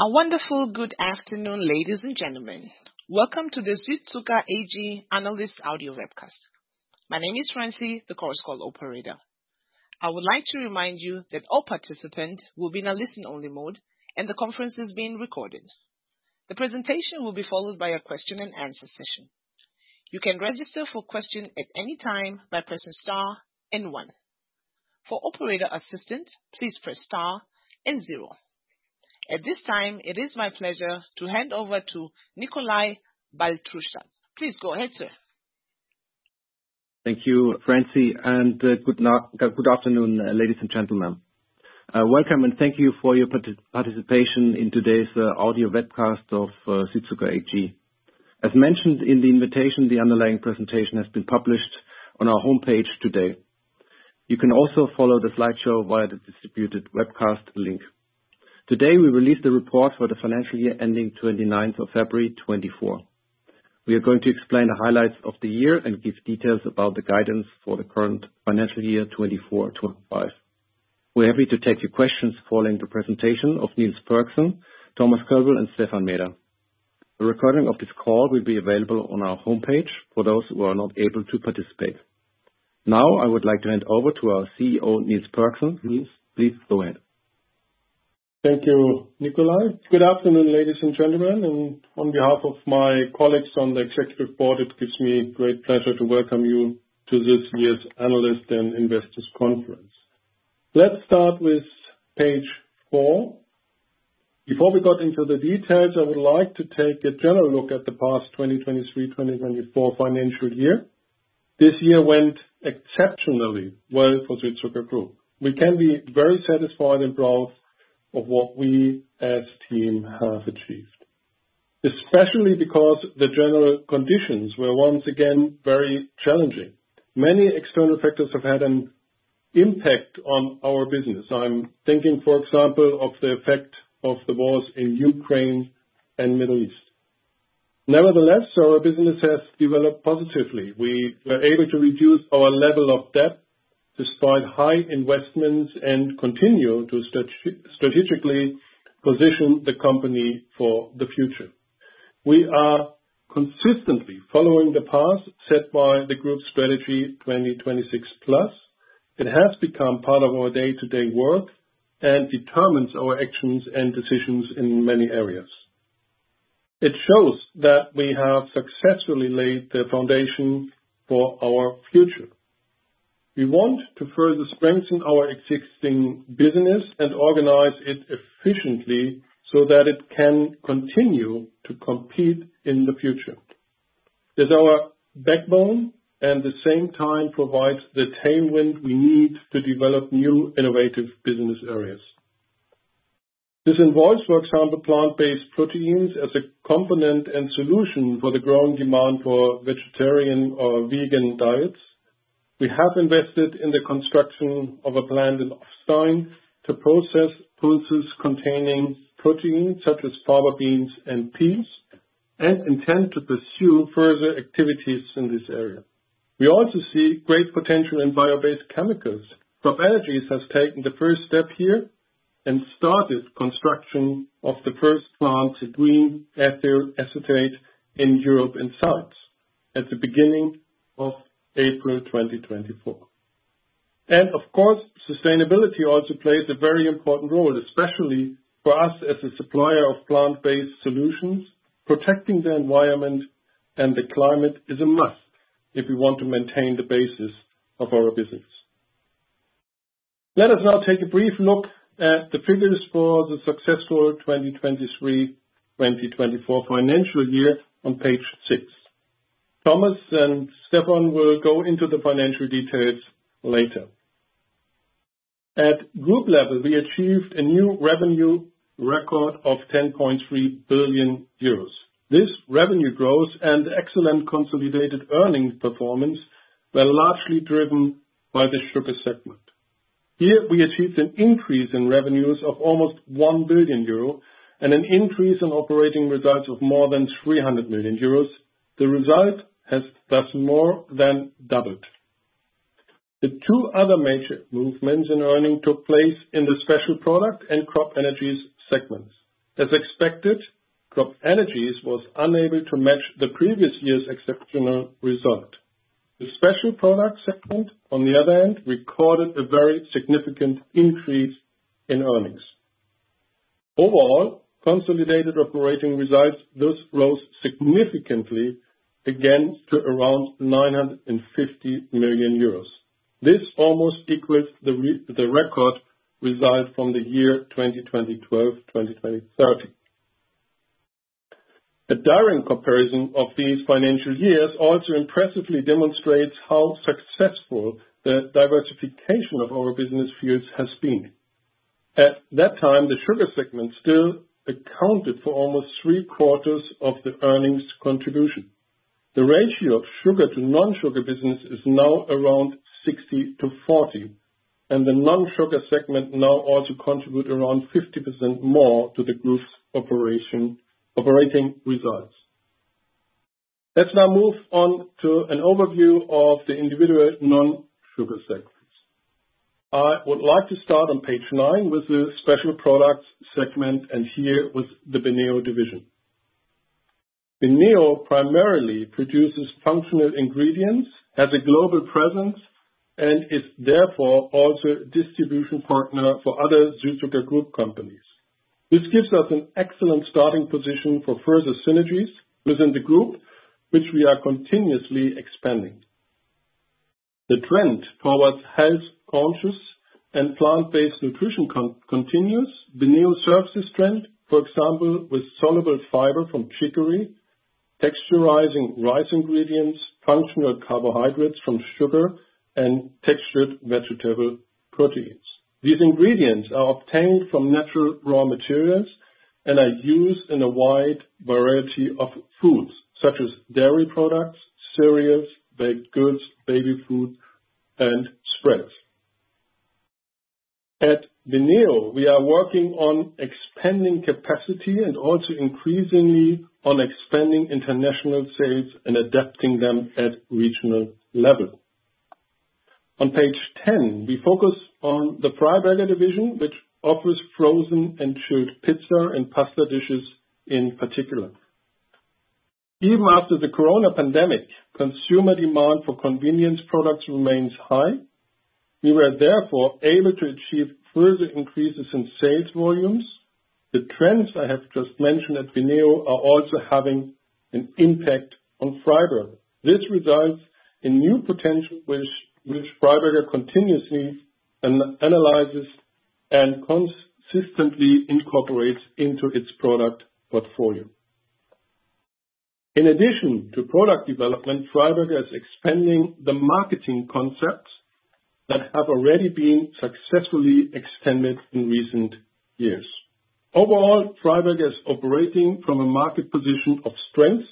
A wonderful good afternoon, ladies and gentlemen. Welcome to the Südzucker AG Analyst Audio Webcast. My name is Francie, the correspondence operator. I would like to remind you that all participants will be in a listen-only mode, and the conference is being recorded. The presentation will be followed by a question-and-answer session. You can register for question at any time by pressing star and one. For operator assistant, please press star and zero. At this time, it is my pleasure to hand over to Nikolai Baltruschat. Please go ahead, sir. Thank you, Francie, and good afternoon, ladies and gentlemen. Welcome and thank you for your participation in today's Audio Webcast of Südzucker AG. As mentioned in the invitation, the underlying presentation has been published on our homepage today. You can also follow the slideshow via the distributed webcast link. Today, we release the report for the financial year ending 29th of February 2024. We are going to explain the highlights of the year and give details about the guidance for the current financial year, 2024-2025. We're happy to take your questions following the presentation of Niels Pörksen, Thomas Kölbl, and Stephan Meeder. A recording of this call will be available on our homepage for those who are not able to participate. Now, I would like to hand over to our CEO, Niels Pörksen. Niels, please go ahead. Thank you, Nikolai. Good afternoon, ladies and gentlemen, and on behalf of my colleagues on the executive board, it gives me great pleasure to welcome you to this year's Analyst and Investors Conference. Let's start with page four. Before we got into the details, I would like to take a general look at the past 2023/2024 financial year. This year went exceptionally well for Südzucker Group. We can be very satisfied and proud of what we as team have achieved, especially because the general conditions were once again very challenging. Many external factors have had an impact on our business. I'm thinking, for example, of the effect of the wars in Ukraine and Middle East. Nevertheless, our business has developed positively. We were able to reduce our level of debt despite high investments, and continue to strategically position the company for the future. We are consistently following the path set by the Group Strategy 2026+. It has become part of our day-to-day work and determines our actions and decisions in many areas. It shows that we have successfully laid the foundation for our future. We want to further strengthen our existing business and organize it efficiently, so that it can continue to compete in the future. As our backbone, at the same time, provides the tailwind we need to develop new innovative business areas. This involves, for example, plant-based proteins as a component and solution for the growing demand for vegetarian or vegan diets. We have invested in the construction of a plant in Offstein to process pulses containing protein, such as fava beans and peas, and intend to pursue further activities in this area. We also see great potential in bio-based chemicals. CropEnergies has taken the first step here and started construction of the first plant in green ethyl acetate in Europe in Zeitz at the beginning of April 2024. Of course, sustainability also plays a very important role, especially for us as a supplier of plant-based solutions. Protecting the environment and the climate is a must if we want to maintain the basis of our business. Let us now take a brief look at the figures for the successful 2023/2024 financial year on page 6. Thomas and Stephan will go into the financial details later. At group level, we achieved a new revenue record of 10.3 billion euros. This revenue growth and excellent consolidated earnings performance were largely driven by the sugar segment. Here, we achieved an increase in revenues of almost 1 billion euro and an increase in operating results of more than 300 million euros. The result has thus more than doubled. The two other major movements in earnings took place in the special product and Crop Energies segments. As expected, Crop Energies was unable to match the previous year's exceptional result. The special product segment, on the other hand, recorded a very significant increase in earnings. Overall, consolidated operating results thus rose significantly again to around 950 million euros. This almost equates the record results from the year 2012/2013. A direct comparison of these financial years also impressively demonstrates how successful the diversification of our business fields has been. At that time, the sugar segment still accounted for almost three-quarters of the earnings contribution. The ratio of sugar to non-sugar business is now around 60/40, and the non-sugar segment now also contributes around 50% more to the group's operating results. Let's now move on to an overview of the individual non-sugar sectors. I would like to start on page 9 with the special products segment, and here with the BENEO division. BENEO primarily produces functional ingredients, has a global presence, and is therefore also a distribution partner for other Südzucker group companies. This gives us an excellent starting position for further synergies within the group, which we are continuously expanding. The trend towards health-conscious and plant-based nutrition continues. BENEO serves this trend, for example, with soluble fiber from chicory, texturizing rice ingredients, functional carbohydrates from sugar, and textured vegetable proteins. These ingredients are obtained from natural raw materials and are used in a wide variety of foods, such as dairy products, cereals, baked goods, baby food, and spreads. At BENEO, we are working on expanding capacity and also increasingly on expanding international sales and adapting them at regional level. On page 10, we focus on the Freiberger division, which offers frozen and chilled pizza and pasta dishes in particular. Even after the corona pandemic, consumer demand for convenience products remains high. We were therefore able to achieve further increases in sales volumes. The trends I have just mentioned at BENEO are also having an impact on Freiberger. This results in new potential, which Freiberger continuously analyzes and consistently incorporates into its product portfolio. In addition to product development, Freiberger is expanding the marketing concepts that have already been successfully extended in recent years. Overall, Freiberger is operating from a market position of strength.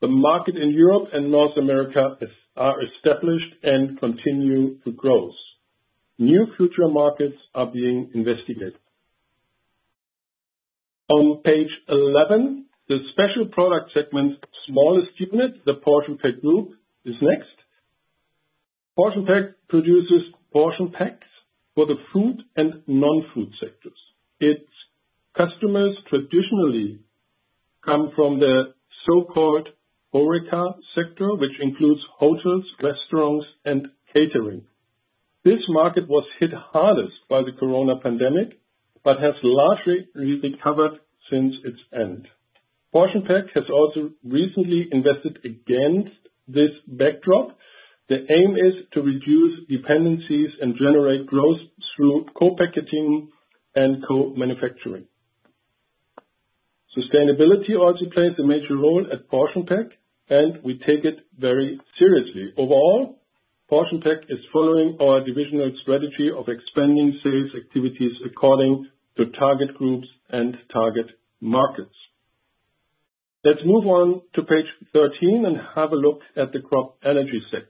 The market in Europe and North America are established and continue to grow. New future markets are being investigated. On page 11, the special product segment's smallest unit, the PortionPack group, is next. PortionPack produces portion packs for the food and non-food sectors. Its customers traditionally come from the so-called HORECA sector, which includes hotels, restaurants, and catering. This market was hit hardest by the corona pandemic, but has largely recovered since its end. PortionPack has also recently invested against this backdrop. The aim is to reduce dependencies and generate growth through co-packaging and co-manufacturing. Sustainability also plays a major role at PortionPack, and we take it very seriously. Overall, PortionPack is following our divisional strategy of expanding sales activities according to target groups and target markets. Let's move on to page 13 and have a look at the CropEnergies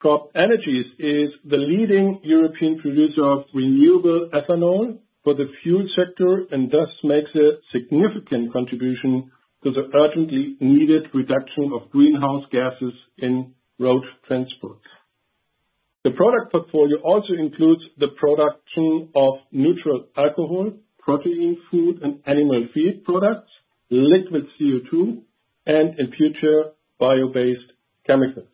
segment. CropEnergies is the leading European producer of renewable ethanol for the fuel sector, and thus makes a significant contribution to the urgently needed reduction of greenhouse gases in road transport. The product portfolio also includes the production of neutral alcohol, protein food, and animal feed products, liquid CO2, and in future, bio-based chemicals.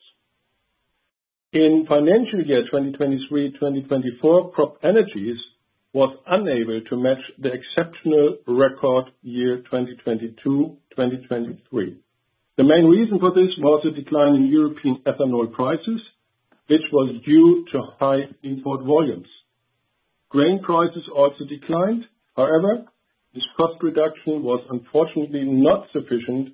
In financial year 2023/2024, CropEnergies was unable to match the exceptional record year, 2022/2023. The main reason for this was a decline in European ethanol prices, which was due to high import volumes. Grain prices also declined. However, this cost reduction was unfortunately not sufficient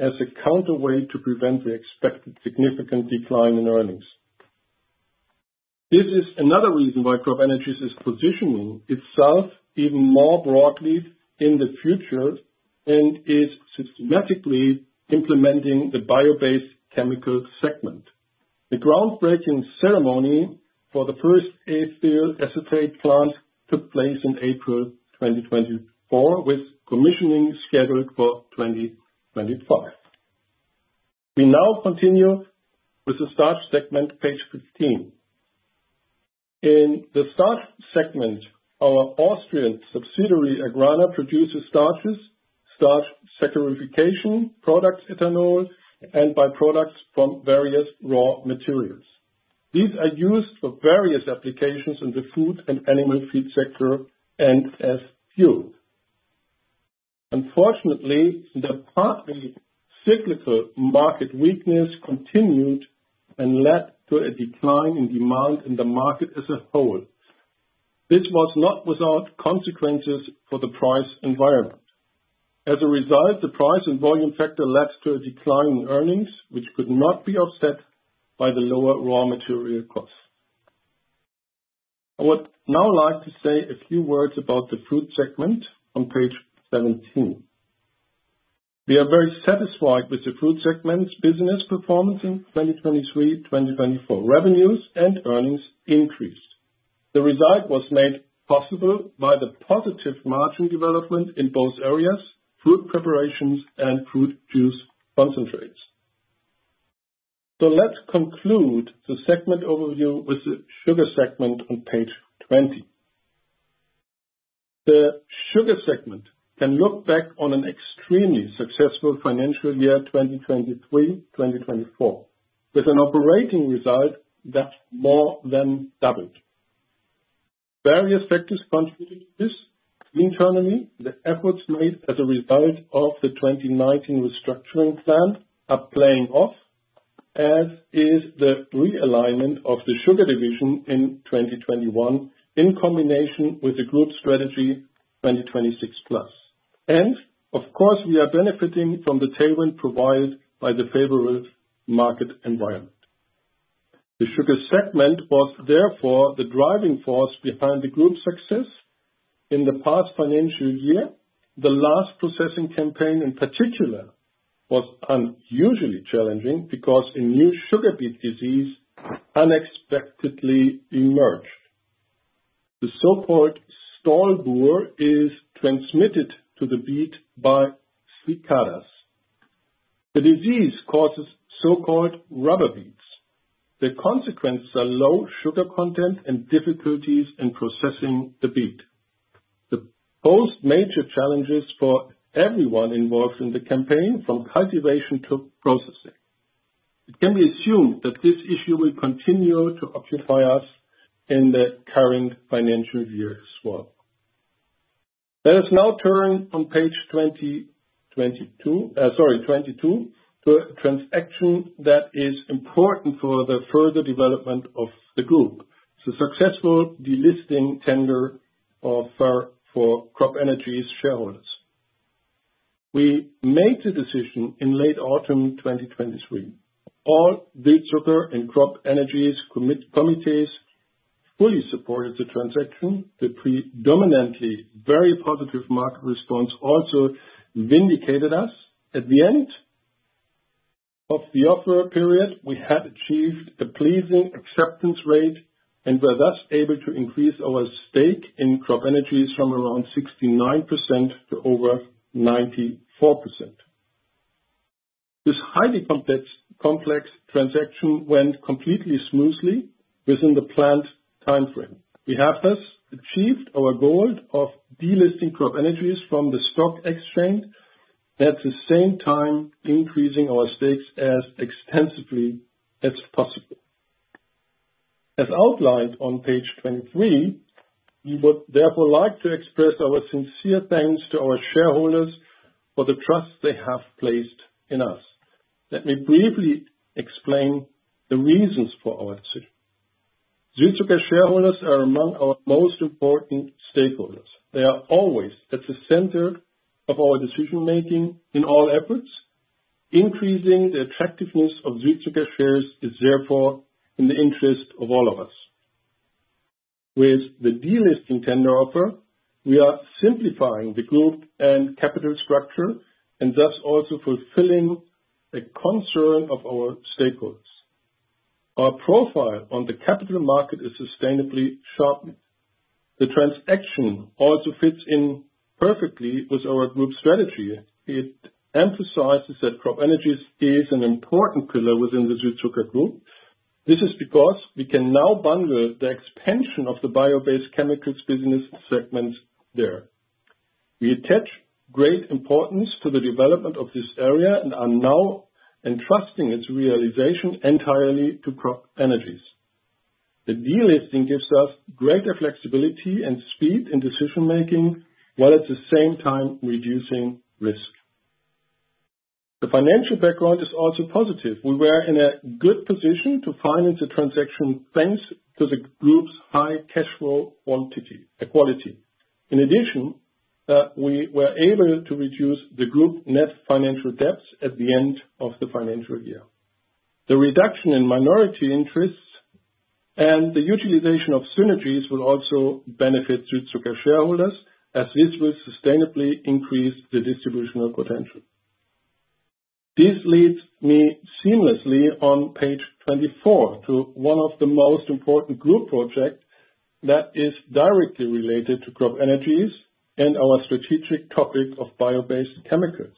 as a counterweight to prevent the expected significant decline in earnings. This is another reason why CropEnergies is positioning itself even more broadly in the future, and is systematically implementing the bio-based chemical segment. The groundbreaking ceremony for the first ethyl acetate plant took place in April 2024, with commissioning scheduled for 2025. We now continue with the starch segment, page 15. In the starch segment, our Austrian subsidiary, Agrana, produces starches, starch saccharification products, ethanol, and byproducts from various raw materials. These are used for various applications in the food and animal feed sector and as fuel. Unfortunately, the partly cyclical market weakness continued and led to a decline in demand in the market as a whole. This was not without consequences for the price environment. As a result, the price and volume factor led to a decline in earnings, which could not be offset by the lower raw material costs. I would now like to say a few words about the Fruit segment on page 17. We are very satisfied with the Fruit segment's business performance in 2023/2024. Revenues and earnings increased. The result was made possible by the positive margin development in both areas, fruit preparations and fruit juice concentrates. So let's conclude the segment overview with the sugar segment on page 20. The sugar segment can look back on an extremely successful financial year, 2023, 2024, with an operating result that more than doubled. Various factors contributed to this. Internally, the efforts made as a result of the 2019 restructuring plan are playing off, as is the realignment of the sugar division in 2021, in combination with the group strategy 2026+. And of course, we are benefiting from the tailwind provided by the favorable market environment. The sugar segment was therefore the driving force behind the group's success in the past financial year. The last processing campaign, in particular, was unusually challenging because a new sugar beet disease unexpectedly emerged. The so-called Stolbur is transmitted to the beet by cicadas. The disease causes so-called rubber beets. The consequences are low sugar content and difficulties in processing the beet. The both major challenges for everyone involved in the campaign, from cultivation to processing. It can be assumed that this issue will continue to occupy us in the current financial year as well. Let us now turn on page 22 to a transaction that is important for the further development of the group, the successful delisting tender offer for CropEnergies shareholders. We made the decision in late autumn 2023. All the sugar and CropEnergies committees fully supported the transaction. The predominantly very positive market response also vindicated us. At the end of the offer period, we had achieved a pleasing acceptance rate and were thus able to increase our stake in CropEnergies from around 69% to over 94%. This highly complex, complex transaction went completely smoothly within the planned timeframe. We have thus achieved our goal of delisting CropEnergies from the stock exchange, at the same time increasing our stakes as extensively as possible. As outlined on page 23, we would therefore like to express our sincere thanks to our shareholders for the trust they have placed in us. Let me briefly explain the reasons for our decision. Südzucker shareholders are among our most important stakeholders. They are always at the center of our decision-making in all efforts. Increasing the attractiveness of Südzucker shares is therefore in the interest of all of us. With the delisting tender offer, we are simplifying the group and capital structure and thus also fulfilling a concern of our stakeholders. Our profile on the capital market is sustainably sharpened. The transaction also fits in perfectly with our group strategy. It emphasizes that CropEnergies is an important pillar within the Südzucker group. This is because we can now bundle the expansion of the bio-based chemicals business segment there. We attach great importance to the development of this area and are now entrusting its realization entirely to CropEnergies. The delisting gives us greater flexibility and speed in decision-making, while at the same time reducing risk. The financial background is also positive. We were in a good position to finance the transaction, thanks to the group's high cash flow quantity, quality. In addition, we were able to reduce the group net financial debts at the end of the financial year. The reduction in minority interests and the utilization of synergies will also benefit Südzucker shareholders, as this will sustainably increase the distributional potential. This leads me seamlessly on page 24 to one of the most important group projects that is directly related to CropEnergies and our strategic topic of bio-based chemicals.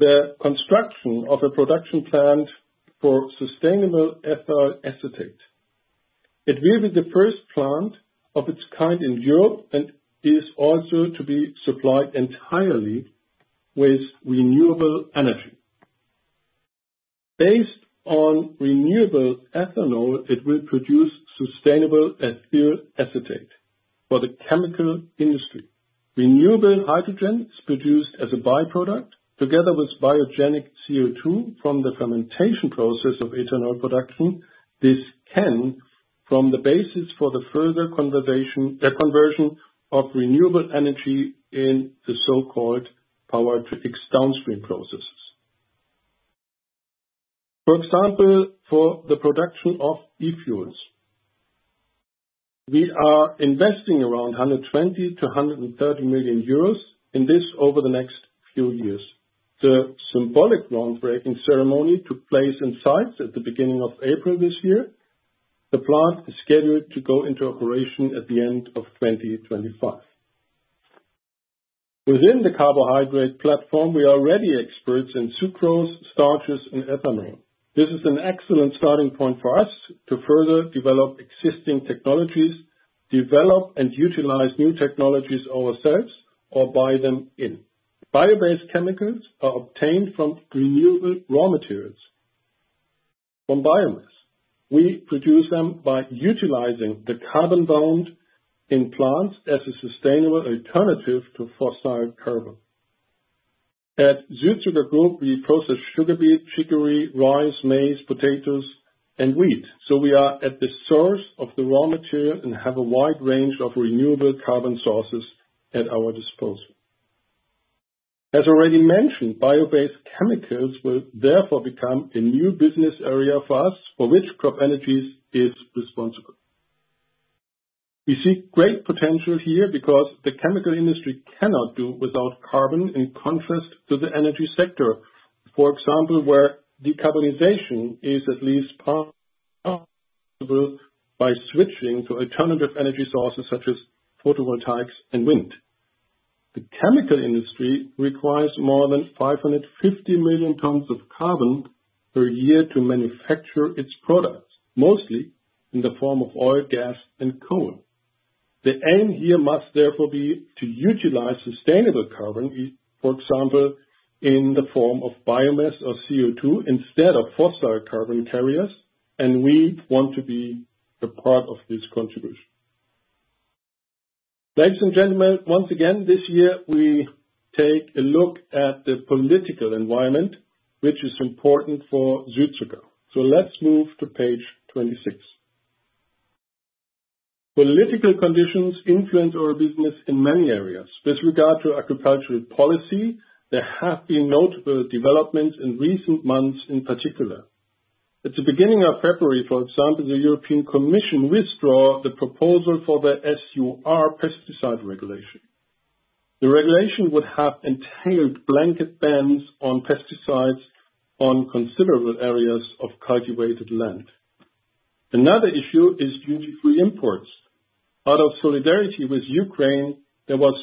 The construction of a production plant for sustainable ethyl acetate. It will be the first plant of its kind in Europe and is also to be supplied entirely with renewable energy. Based on renewable ethanol, it will produce sustainable ethyl acetate for the chemical industry. Renewable hydrogen is produced as a by-product, together with biogenic CO2 from the fermentation process of ethanol production. This can form the basis for the further conversion of renewable energy in the so-called Power-to-X downstream processes. For example, for the production of e-fuels. We are investing around 120 million-130 million euros in this over the next few years... The symbolic groundbreaking ceremony took place on site at the beginning of April this year. The plant is scheduled to go into operation at the end of 2025. Within the carbohydrate platform, we are already experts in sucrose, starches, and ethanol. This is an excellent starting point for us to further develop existing technologies, develop and utilize new technologies ourselves, or buy them in. Bio-based chemicals are obtained from renewable raw materials, from biomass. We produce them by utilizing the carbon bound in plants as a sustainable alternative to fossil carbon. At Südzucker Group, we process sugar beet, chicory, rice, maize, potatoes, and wheat, so we are at the source of the raw material and have a wide range of renewable carbon sources at our disposal. As already mentioned, bio-based chemicals will therefore become a new business area for us, for which CropEnergies is responsible. We see great potential here because the chemical industry cannot do without carbon, in contrast to the energy sector. For example, where decarbonization is at least possible by switching to alternative energy sources, such as photovoltaics and wind. The chemical industry requires more than 550 million tons of carbon per year to manufacture its products, mostly in the form of oil, gas, and coal. The end here must therefore be to utilize sustainable carbon, for example, in the form of biomass or CO2 instead of fossil carbon carriers, and we want to be a part of this contribution. Ladies and gentlemen, once again, this year, we take a look at the political environment, which is important for Südzucker. So let's move to page 26. Political conditions influence our business in many areas. With regard to agricultural policy, there have been notable developments in recent months, in particular. At the beginning of February, for example, the European Commission withdraw the proposal for the SUR pesticide regulation. The regulation would have entailed blanket bans on pesticides on considerable areas of cultivated land. Another issue is duty-free imports. Out of solidarity with Ukraine, there was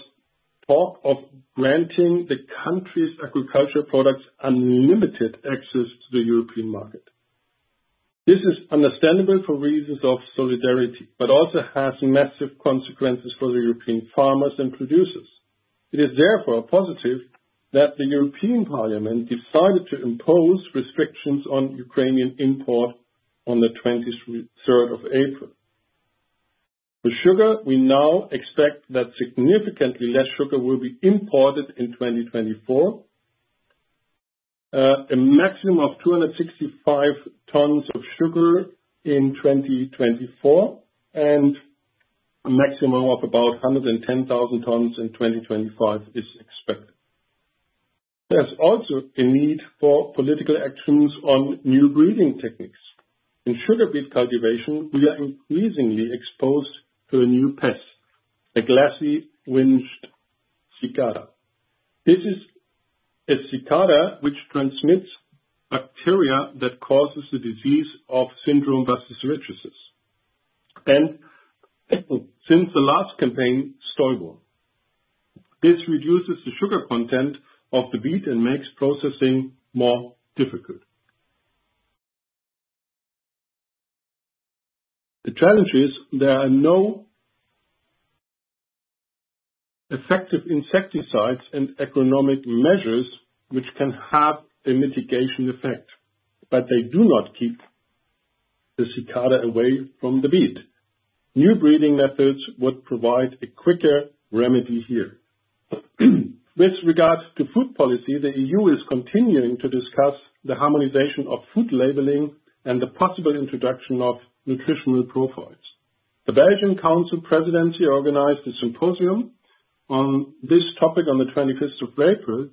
talk of granting the country's agricultural products unlimited access to the European market. This is understandable for reasons of solidarity, but also has massive consequences for the European farmers and producers. It is therefore positive that the European Parliament decided to impose restrictions on Ukrainian import on the twenty-third of April. With sugar, we now expect that significantly less sugar will be imported in 2024. A maximum of 265,000 tons of sugar in 2024, and a maximum of about 110,000 tons in 2025 is expected. There's also a need for political actions on new breeding techniques. In sugar beet cultivation, we are increasingly exposed to a new pest, a glassy-winged cicada. This is a cicada which transmits bacteria that causes the disease of Stolbur, and since the last campaign, Stolbur. This reduces the sugar content of the beet and makes processing more difficult. The challenge is, there are no effective insecticides and economic measures which can have a mitigation effect, but they do not keep the cicada away from the beet. New breeding methods would provide a quicker remedy here. With regards to food policy, the EU is continuing to discuss the harmonization of food labeling and the possible introduction of nutritional profiles. The Belgian Council Presidency organized a symposium on this topic on the 25th of April.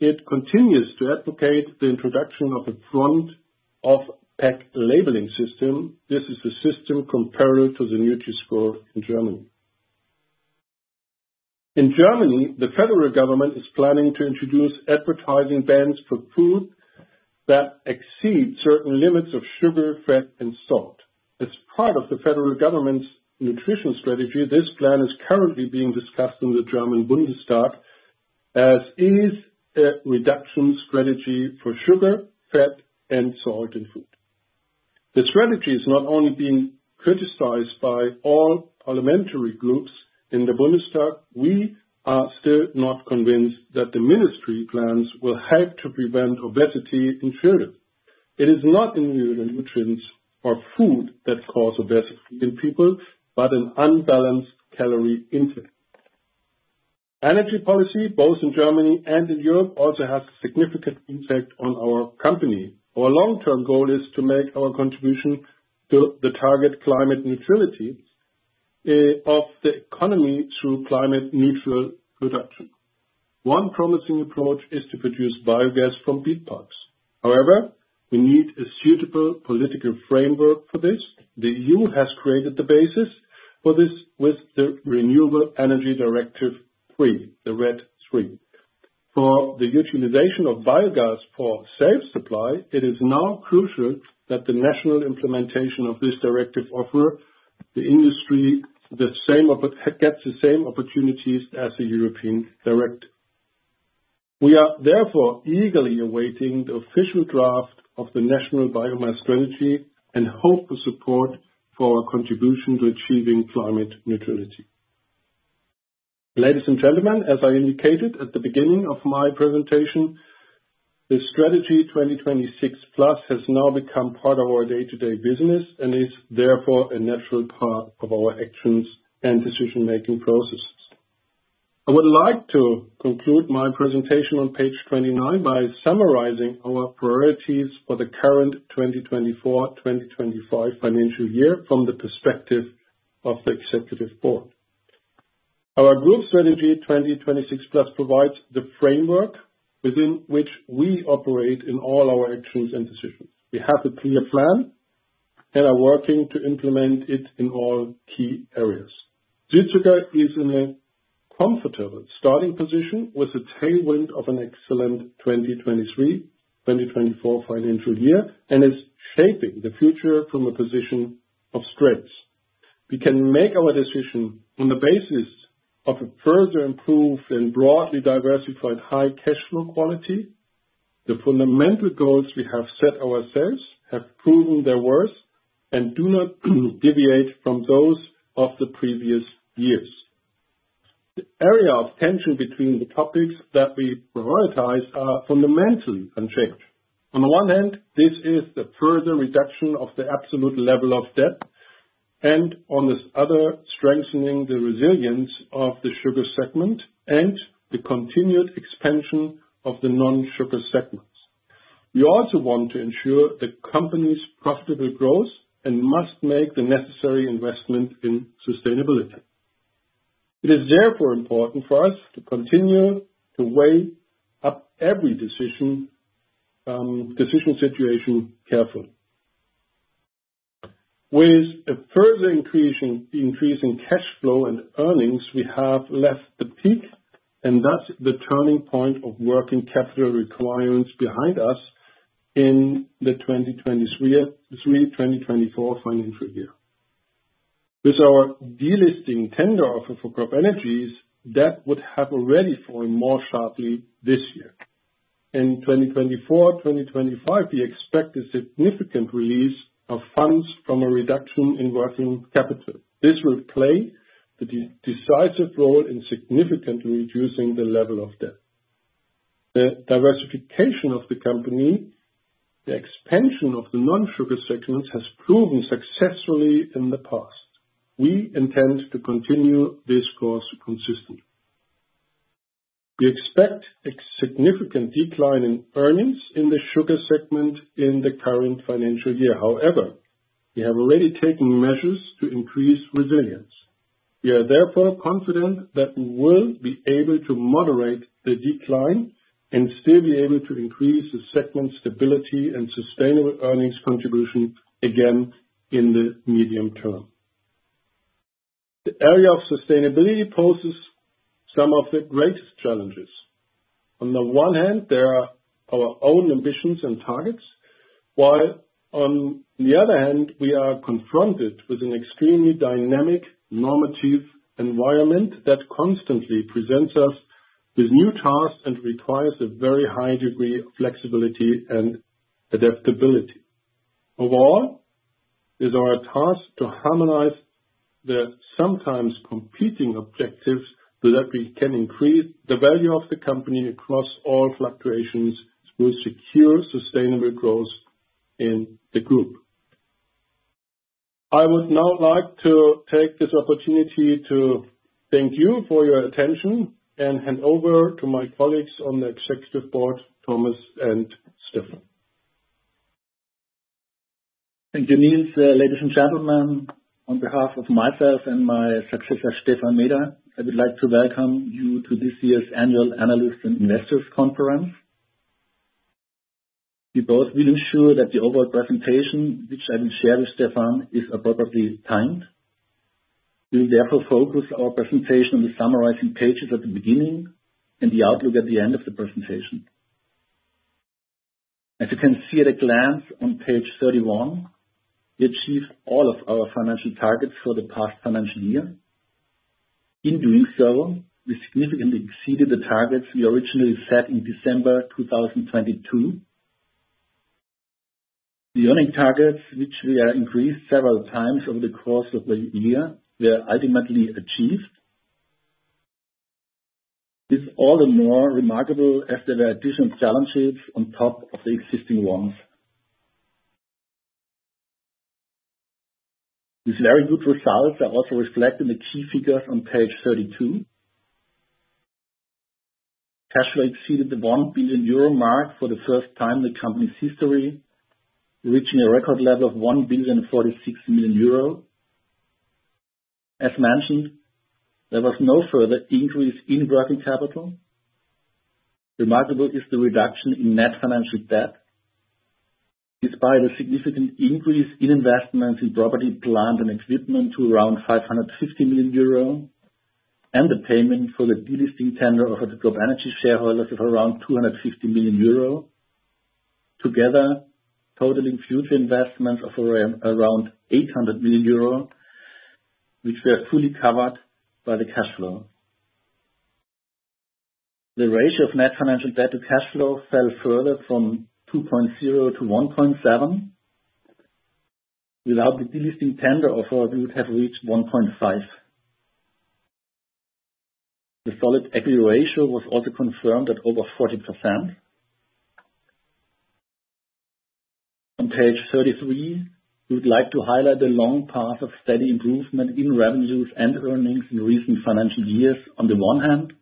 It continues to advocate the introduction of a front-of-pack labeling system. This is the system compared to the Nutri-Score in Germany. In Germany, the federal government is planning to introduce advertising bans for food that exceed certain limits of sugar, fat, and salt. As part of the federal government's nutrition strategy, this plan is currently being discussed in the German Bundestag, as is a reduction strategy for sugar, fat, and salt in food. The strategy is not only being criticized by all parliamentary groups in the Bundestag. We are still not convinced that the ministry plans will help to prevent obesity in children. It is not individual nutrients or food that cause obesity in people, but an unbalanced calorie intake. Energy policy, both in Germany and in Europe, also has a significant impact on our company. Our long-term goal is to make our contribution to the target climate neutrality of the economy through climate neutral production. One promising approach is to produce biogas from beet pulp.... However, we need a suitable political framework for this. The EU has created the basis for this with the Renewable Energy Directive Three, the RED III. For the utilization of biogas for self-supply, it is now crucial that the national implementation of this directive offer the industry the same opportunities as the European directive. We are therefore eagerly awaiting the official draft of the National Biomass Strategy, and hope to support for our contribution to achieving climate neutrality. Ladies and gentlemen, as I indicated at the beginning of my presentation, the Strategy 2026 Plus has now become part of our day-to-day business and is therefore a natural part of our actions and decision-making processes. I would like to conclude my presentation on page 29 by summarizing our priorities for the current 2024/2025 financial year from the perspective of the executive board. Our Group Strategy 2026 Plus, provides the framework within which we operate in all our actions and decisions. We have a clear plan and are working to implement it in all key areas. Südzucker is in a comfortable starting position, with a tailwind of an excellent 2023/2024 financial year, and is shaping the future from a position of strength. We can make our decision on the basis of a further improved and broadly diversified high cash flow quality. The fundamental goals we have set ourselves have proven their worth and do not deviate from those of the previous years. The area of tension between the topics that we prioritize are fundamentally unchanged. On the one hand, this is the further reduction of the absolute level of debt, and on the other, strengthening the resilience of the sugar segment and the continued expansion of the non-sugar segments. We also want to ensure the company's profitable growth and must make the necessary investment in sustainability. It is therefore important for us to continue to weigh up every decision, decision situation carefully. With a further increase in cash flow and earnings, we have left the peak, and that's the turning point of working capital requirements behind us in the 2023-2024 financial year. With our delisting tender offer for CropEnergies, that would have already fallen more sharply this year. In 2024-2025, we expect a significant release of funds from a reduction in working capital. This will play the decisive role in significantly reducing the level of debt. The diversification of the company, the expansion of the non-sugar segments, has proven successfully in the past. We intend to continue this course consistently. We expect a significant decline in earnings in the sugar segment in the current financial year. However, we have already taken measures to increase resilience. We are therefore confident that we will be able to moderate the decline, and still be able to increase the segment's stability and sustainable earnings contribution again in the medium term. The area of sustainability poses some of the greatest challenges. On the one hand, there are our own ambitions and targets, while on the other hand, we are confronted with an extremely dynamic, normative environment that constantly presents us with new tasks and requires a very high degree of flexibility and adaptability. Overall, it is our task to harmonize the sometimes competing objectives, so that we can increase the value of the company across all fluctuations, which secure sustainable growth in the group. I would now like to take this opportunity to thank you for your attention, and hand over to my colleagues on the Executive Board, Thomas and Stephan. Thank you, Niels. Ladies and gentlemen, on behalf of myself and my successor, Stephan Meeder, I would like to welcome you to this year's Annual Analysts and Investors Conference. We both will ensure that the overall presentation, which I will share with Stephan, is appropriately timed. We will therefore focus our presentation on the summarizing pages at the beginning, and the outlook at the end of the presentation. As you can see at a glance on page 31, we achieved all of our financial targets for the past financial year. In doing so, we significantly exceeded the targets we originally set in December 2022. The earning targets, which we have increased several times over the course of the year, were ultimately achieved. It's all the more remarkable as there were additional challenges on top of the existing ones. These very good results are also reflected in the key figures on page 32. Cash flow exceeded the 1 billion euro mark for the first time in the company's history, reaching a record level of 1.046 billion.... As mentioned, there was no further increase in working capital. Remarkable is the reduction in net financial debt, despite a significant increase in investments in property, plant, and equipment to around 550 million euro, and the payment for the delisting tender of the CropEnergies shareholders of around 250 million euro, together totaling future investments of around 800 million euro, which were fully covered by the cash flow. The ratio of net financial debt to cash flow fell further from 2.0 to 1.7. Without the delisting tender offer, we would have reached 1.5. The solid equity ratio was also confirmed at over 40%. On page 33, we would like to highlight the long path of steady improvement in revenues and earnings in recent financial years on the one hand,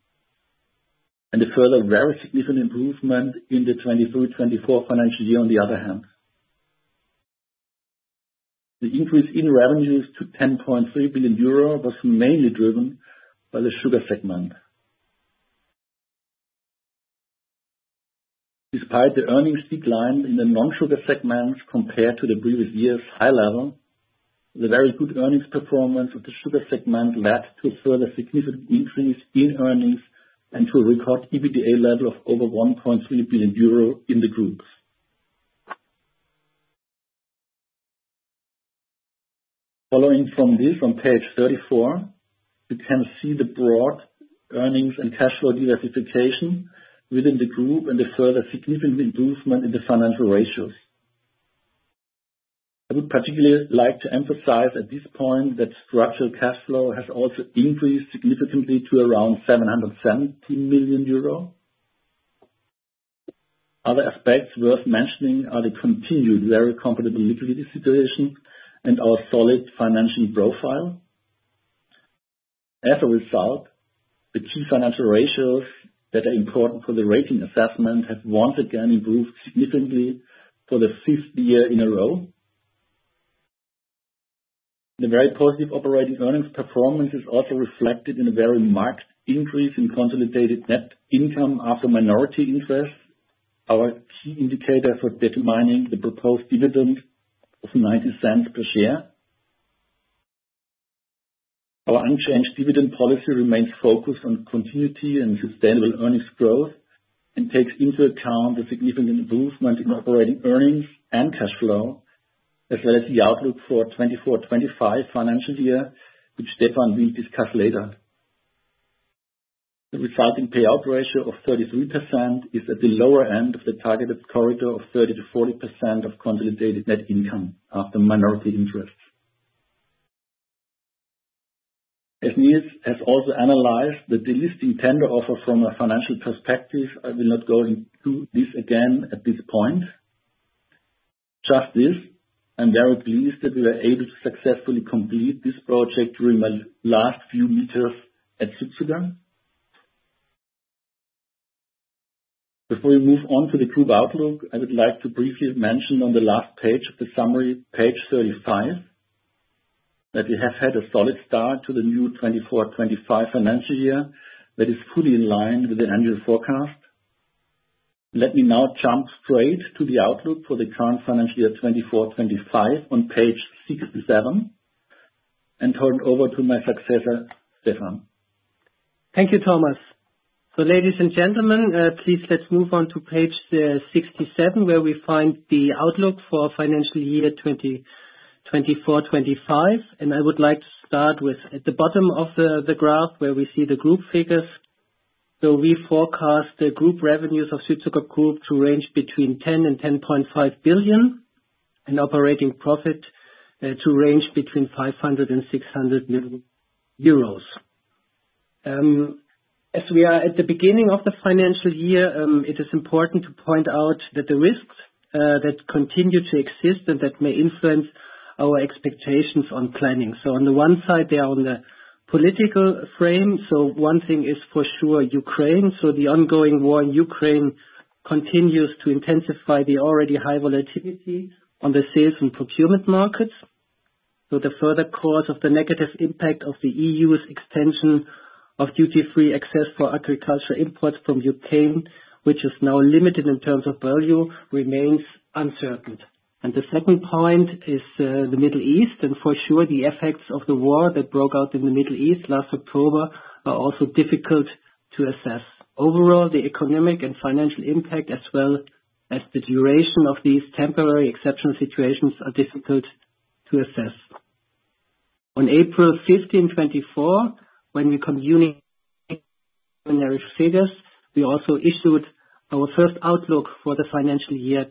and a further very significant improvement in the 2023, 2024 financial year on the other hand. The increase in revenues to 10.3 billion euro was mainly driven by the sugar segment. Despite the earnings decline in the non-sugar segments compared to the previous year's high level, the very good earnings performance of the sugar segment led to a further significant increase in earnings and to a record EBITDA level of over 1.3 billion euro in the group. Following from this, on page 34, you can see the broad earnings and cash flow diversification within the group and the further significant improvement in the financial ratios. I would particularly like to emphasize at this point that structural cash flow has also increased significantly to around 770 million euro. Other aspects worth mentioning are the continued very comfortable liquidity situation and our solid financial profile. As a result, the key financial ratios that are important for the rating assessment have once again improved significantly for the fifth year in a row. The very positive operating earnings performance is also reflected in a very marked increase in consolidated net income after minority interest, our key indicator for determining the proposed dividend of 0.90 per share. Our unchanged dividend policy remains focused on continuity and sustainable earnings growth, and takes into account the significant improvement in operating earnings and cash flow, as well as the outlook for 2024, 2025 financial year, which Stephan will discuss later. The resulting payout ratio of 33% is at the lower end of the targeted corridor of 30%-40% of consolidated net income after minority interest. As Niels has also analyzed the delisting tender offer from a financial perspective, I will not go into this again at this point. Just this, I'm very pleased that we were able to successfully complete this project during my last few meters at Südzucker. Before we move on to the group outlook, I would like to briefly mention on the last page of the summary, page 35, that we have had a solid start to the new 2024-2025 financial year that is fully in line with the annual forecast. Let me now jump straight to the outlook for the current financial year, 2024-2025, on page 67, and turn it over to my successor, Stephan. Thank you, Thomas. Ladies and gentlemen, please let's move on to page 67, where we find the outlook for financial year 2024-25. I would like to start with at the bottom of the graph, where we see the group figures. We forecast the group revenues of Südzucker Group to range between 10 billion and 10.5 billion, and operating profit to range between 500 million euros and 600 million euros. As we are at the beginning of the financial year, it is important to point out that the risks that continue to exist and that may influence our expectations on planning. On the one side, they are on the political frame. One thing is for sure, Ukraine. The ongoing war in Ukraine continues to intensify the already high volatility on the sales and procurement markets. The further course of the negative impact of the EU's extension of duty-free access for agricultural imports from Ukraine, which is now limited in terms of value, remains uncertain. The second point is, the Middle East, and for sure, the effects of the war that broke out in the Middle East last October are also difficult to assess. Overall, the economic and financial impact, as well as the duration of these temporary exceptional situations, are difficult to assess. On April 15, 2024, when we communicated preliminary figures, we also issued our first outlook for the financial year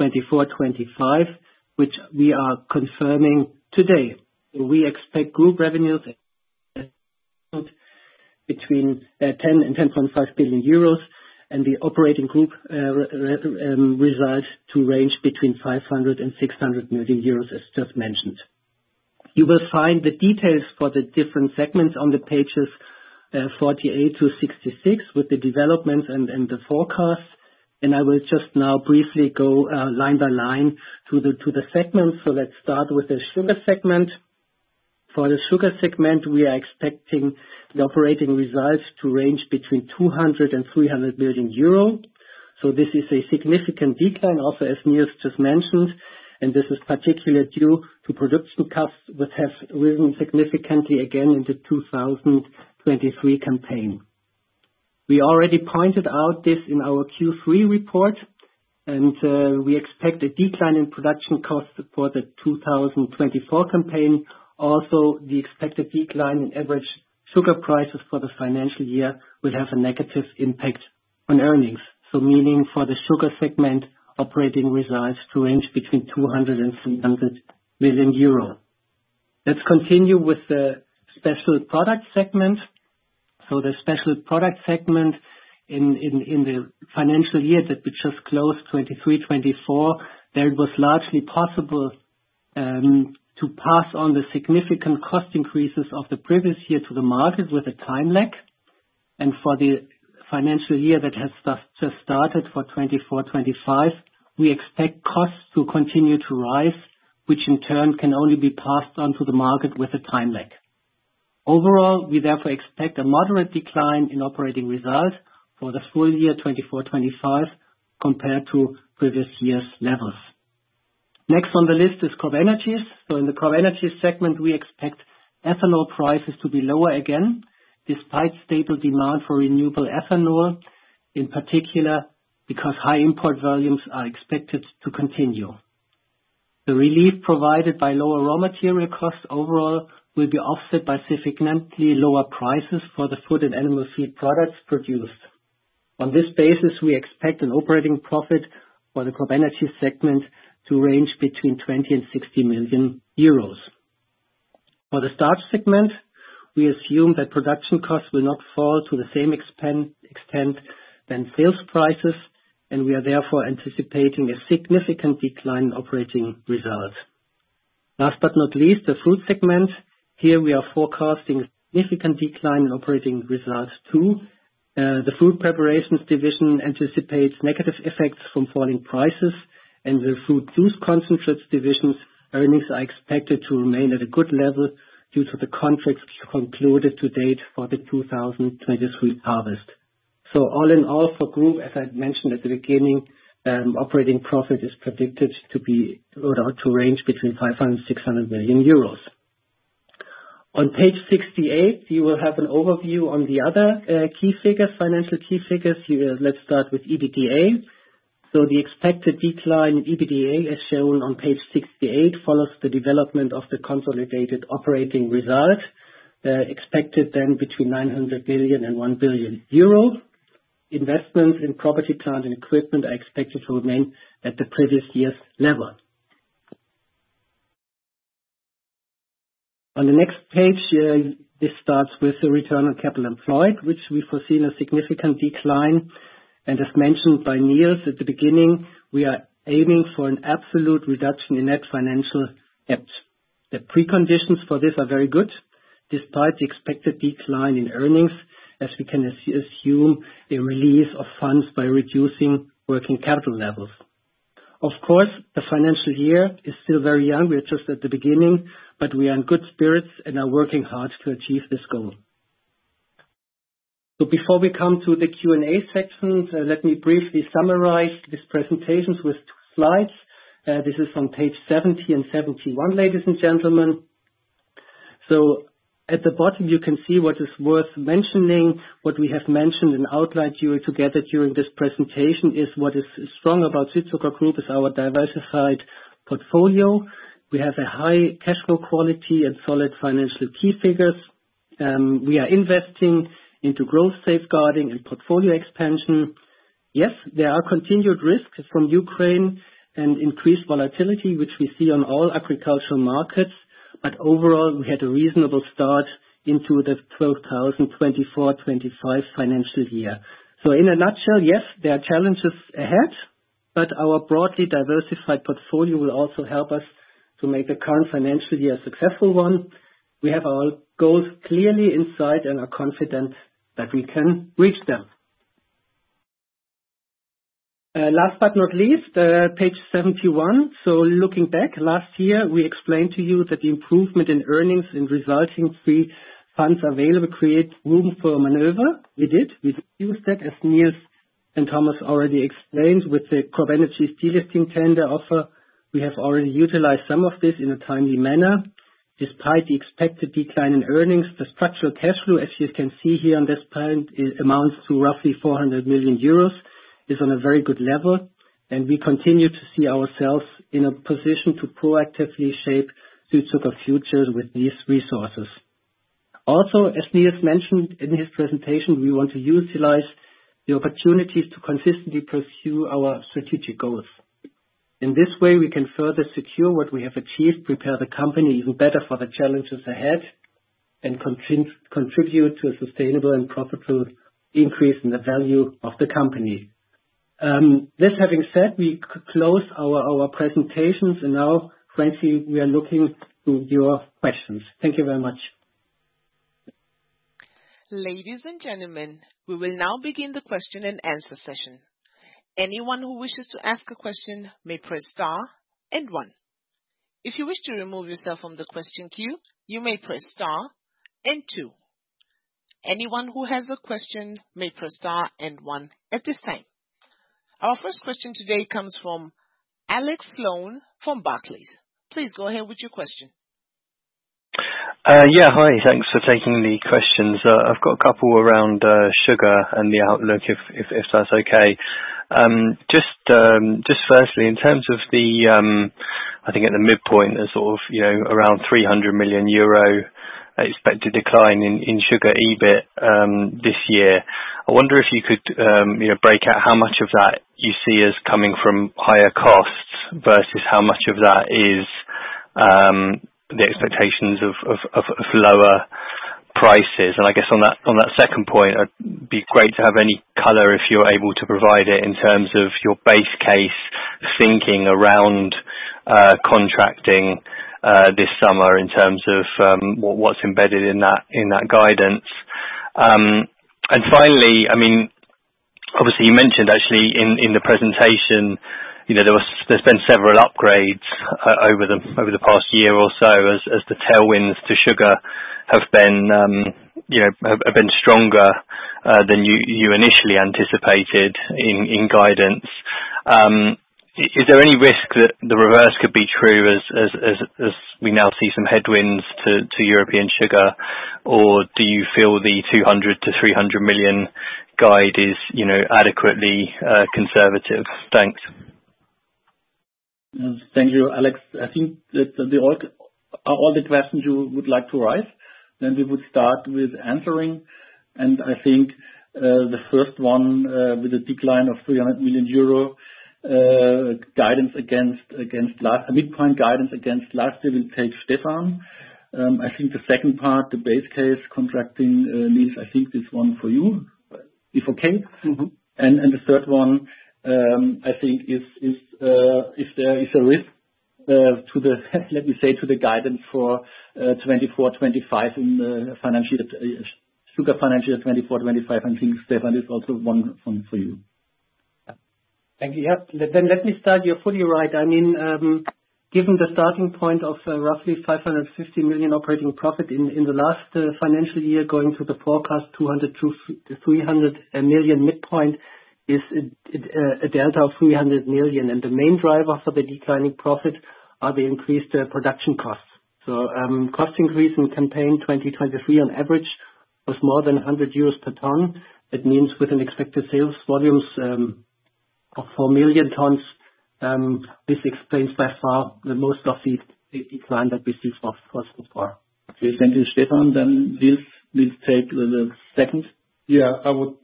2024-25, which we are confirming today. We expect group revenues between 10 billion euros and 10.5 billion euros, and the operating group results to range between 500 million euros and 600 million euros, as just mentioned. You will find the details for the different segments on the pages 48-66, with the developments and the forecast. I will just now briefly go line by line through to the segments. So let's start with the sugar segment. For the sugar segment, we are expecting the operating results to range between 200 million and 300 million euro. So this is a significant decline also, as Niels just mentioned, and this is particularly due to production costs, which have risen significantly again in the 2023 campaign. We already pointed out this in our Q3 report, and we expect a decline in production costs for the 2024 campaign. Also, the expected decline in average sugar prices for the financial year will have a negative impact on earnings. So meaning for the sugar segment, operating results to range between 200 million euro and 300 million euro. Let's continue with the special products segment. So the special product segment in the financial year that we just closed, 2023-2024, there it was largely possible to pass on the significant cost increases of the previous year to the market with a time lag. And for the financial year that has just started for 2024-2025, we expect costs to continue to rise, which in turn can only be passed on to the market with a time lag. Overall, we therefore expect a moderate decline in operating results for the full year 2024-2025, compared to previous years' levels. Next on the list is CropEnergies. So in the CropEnergies segment, we expect ethanol prices to be lower again, despite stable demand for renewable ethanol, in particular, because high import volumes are expected to continue. The relief provided by lower raw material costs overall will be offset by significantly lower prices for the food and animal feed products produced. On this basis, we expect an operating profit for the CropEnergies segment to range between 20 million and 60 million euros. For the starch segment, we assume that production costs will not fall to the same extent than sales prices, and we are therefore anticipating a significant decline in operating results. Last but not least, the food segment. Here we are forecasting a significant decline in operating results, too. The fruit preparations division anticipates negative effects from falling prices, and the fruit juice concentrates division's earnings are expected to remain at a good level due to the contracts concluded to date for the 2023 harvest. So all in all, for group, as I mentioned at the beginning, operating profit is predicted to be rolled out to range between 500 million and 600 million euros. On page 68, you will have an overview on the other key figures, financial key figures. Here, let's start with EBITDA. So the expected decline in EBITDA, as shown on page 68, follows the development of the consolidated operating results, expected then between 900 million and 1 billion euro. Investments in property, plant, and equipment are expected to remain at the previous year's level. On the next page here, this starts with the return on capital employed, which we foresee a significant decline, and as mentioned by Niels at the beginning, we are aiming for an absolute reduction in net financial debt. The preconditions for this are very good, despite the expected decline in earnings, as we can assume a release of funds by reducing working capital levels. Of course, the financial year is still very young. We are just at the beginning, but we are in good spirits and are working hard to achieve this goal. So before we come to the Q&A section, let me briefly summarize this presentation with two slides. This is on page 70 and 71, ladies and gentlemen. So at the bottom, you can see what is worth mentioning. What we have mentioned and outlined you together during this presentation is what is strong about Südzucker Group: our diversified portfolio. We have a high cash flow quality and solid financial key figures. We are investing into growth safeguarding and portfolio expansion. Yes, there are continued risks from Ukraine and increased volatility, which we see on all agricultural markets, but overall, we had a reasonable start into the 2024/25 financial year. So in a nutshell, yes, there are challenges ahead, but our broadly diversified portfolio will also help us to make the current financial year a successful one. We have our goals clearly in sight and are confident that we can reach them. Last but not least, page 71. So looking back, last year, we explained to you that the improvement in earnings and resulting free funds available create room for maneuver. We did. We used that, as Niels and Thomas already explained, with the CropEnergies delisting tender offer. We have already utilized some of this in a timely manner. Despite the expected decline in earnings, the structural cash flow, as you can see here on this slide, it amounts to roughly 400 million euros, is on a very good level, and we continue to see ourselves in a position to proactively shape future of a future with these resources. Also, as Niels mentioned in his presentation, we want to utilize the opportunities to consistently pursue our strategic goals. In this way, we can further secure what we have achieved, prepare the company even better for the challenges ahead, and contribute to a sustainable and profitable increase in the value of the company. This having said, we close our presentations, and now, frankly, we are looking to your questions. Thank you very much.... Ladies and gentlemen, we will now begin the question and answer session. Anyone who wishes to ask a question may press star and one. If you wish to remove yourself from the question queue, you may press star and two. Anyone who has a question may press star and one at this time. Our first question today comes from Alex Sloane from Barclays. Please go ahead with your question. Yeah, hi. Thanks for taking the questions. I've got a couple around sugar and the outlook, if that's okay. Just firstly, in terms of the, I think at the midpoint, the sort of, you know, around 300 million euro expected decline in sugar EBIT this year. I wonder if you could, you know, break out how much of that you see as coming from higher costs, versus how much of that is the expectations of lower prices? And I guess on that second point, it'd be great to have any color, if you're able to provide it, in terms of your base case thinking around contracting this summer, in terms of what's embedded in that guidance. And finally, I mean, obviously, you mentioned actually in the presentation, you know, there's been several upgrades over the past year or so, as the tailwinds to sugar have been, you know, stronger than you initially anticipated in guidance. Is there any risk that the reverse could be true as we now see some headwinds to European sugar, or do you feel the 200 million-300 million guide is adequately conservative? Thanks. Thank you, Alex. I think that they are all the questions you would like to raise, then we would start with answering. I think the first one, with the decline of 300 million euro guidance against last midpoint guidance against last year, will take Stephan. I think the second part, the base case contracting, Niels, I think this one for you, if okay. Mm-hmm. The third one, I think is if there is a risk to the, let me say, to the guidance for 2024, 2025 in the financial sugar financial 2024, 2025. I think Stephan, it's also one for you. Thank you. Yeah. Let me start, you're fully right. I mean, given the starting point of roughly 550 million operating profit in the last financial year, going to the forecast 200-300 million midpoint, is a delta of 300 million. The main driver for the declining profit are the increased production costs. Cost increase in campaign 2023 on average was more than 100 euros per ton. It means with an expected sales volumes of 4 million tons, this explains by far the most profit decline that we see so far. Thank you, Stephan. Then this, please take the second. Yeah, I would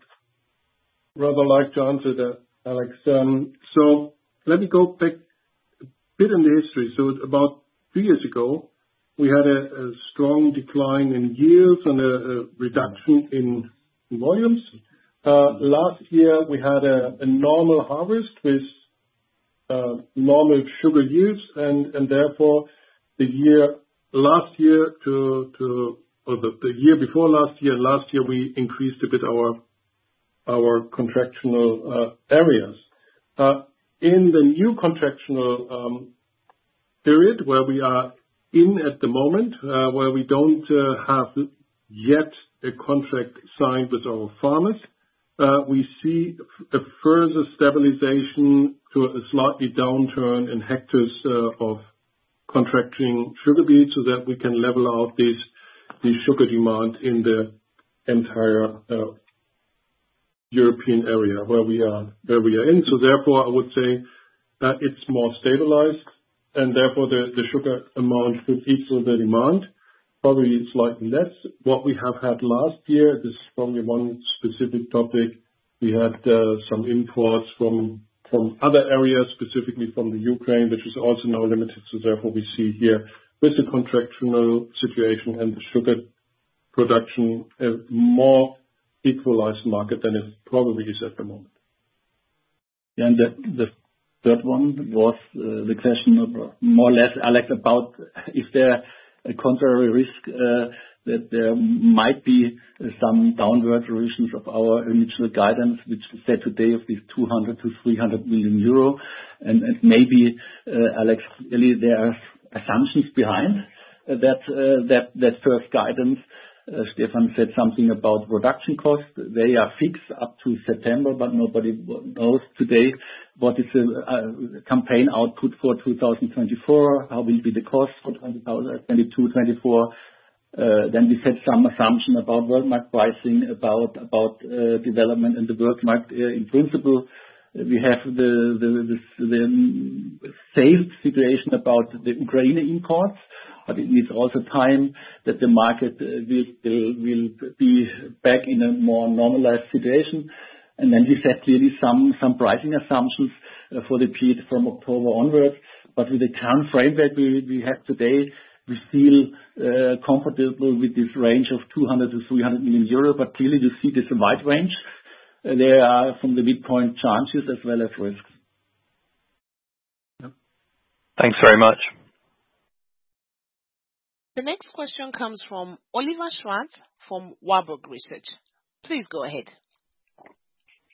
rather like to answer that, Alex. So let me go back a bit in the history. So about two years ago, we had a strong decline in yields and a reduction in volumes. Last year, we had a normal harvest with normal sugar yields, and therefore, the year before last year, last year, we increased a bit our contractual areas. In the new contractual period, where we are in at the moment, where we don't have yet a contract signed with our farmers, we see a further stabilization to a slightly downturn in hectares of contracting sugar beet, so that we can level out the sugar demand in the entire European area where we are in. So therefore, I would say that it's more stabilized, and therefore, the sugar amount will equal the demand, probably slightly less. What we have had last year, this is probably one specific topic, we had some imports from other areas, specifically from the Ukraine, which is also now limited. So therefore, we see here with the contractual situation and the sugar production, a more equalized market than it probably is at the moment. The third one was the question of more or less, Alex, about if there a contrary risk that there might be some downward revisions of our initial guidance, which we said today, of this 200 million-300 million euro. And, and maybe, Alex, really, there are assumptions behind that first guidance. Stephan said something about production costs. They are fixed up to September, but nobody knows today what is the campaign output for 2024, how will be the cost for 2020, 2022, 2024. Then we set some assumption about world market pricing, about development in the world market. In principle, we have the same situation about the grain imports, but it needs all the time that the market will be back in a more normalized situation. And then we set really some pricing assumptions for the period from October onwards, but with the time frame that we have today, we feel comfortable with this range of 200 million-300 million euro. But clearly, you see this wide range. There are, from the midpoint, chances as well as risks.... Thanks very much. The next question comes from Oliver Schwarz, from Warburg Research. Please go ahead.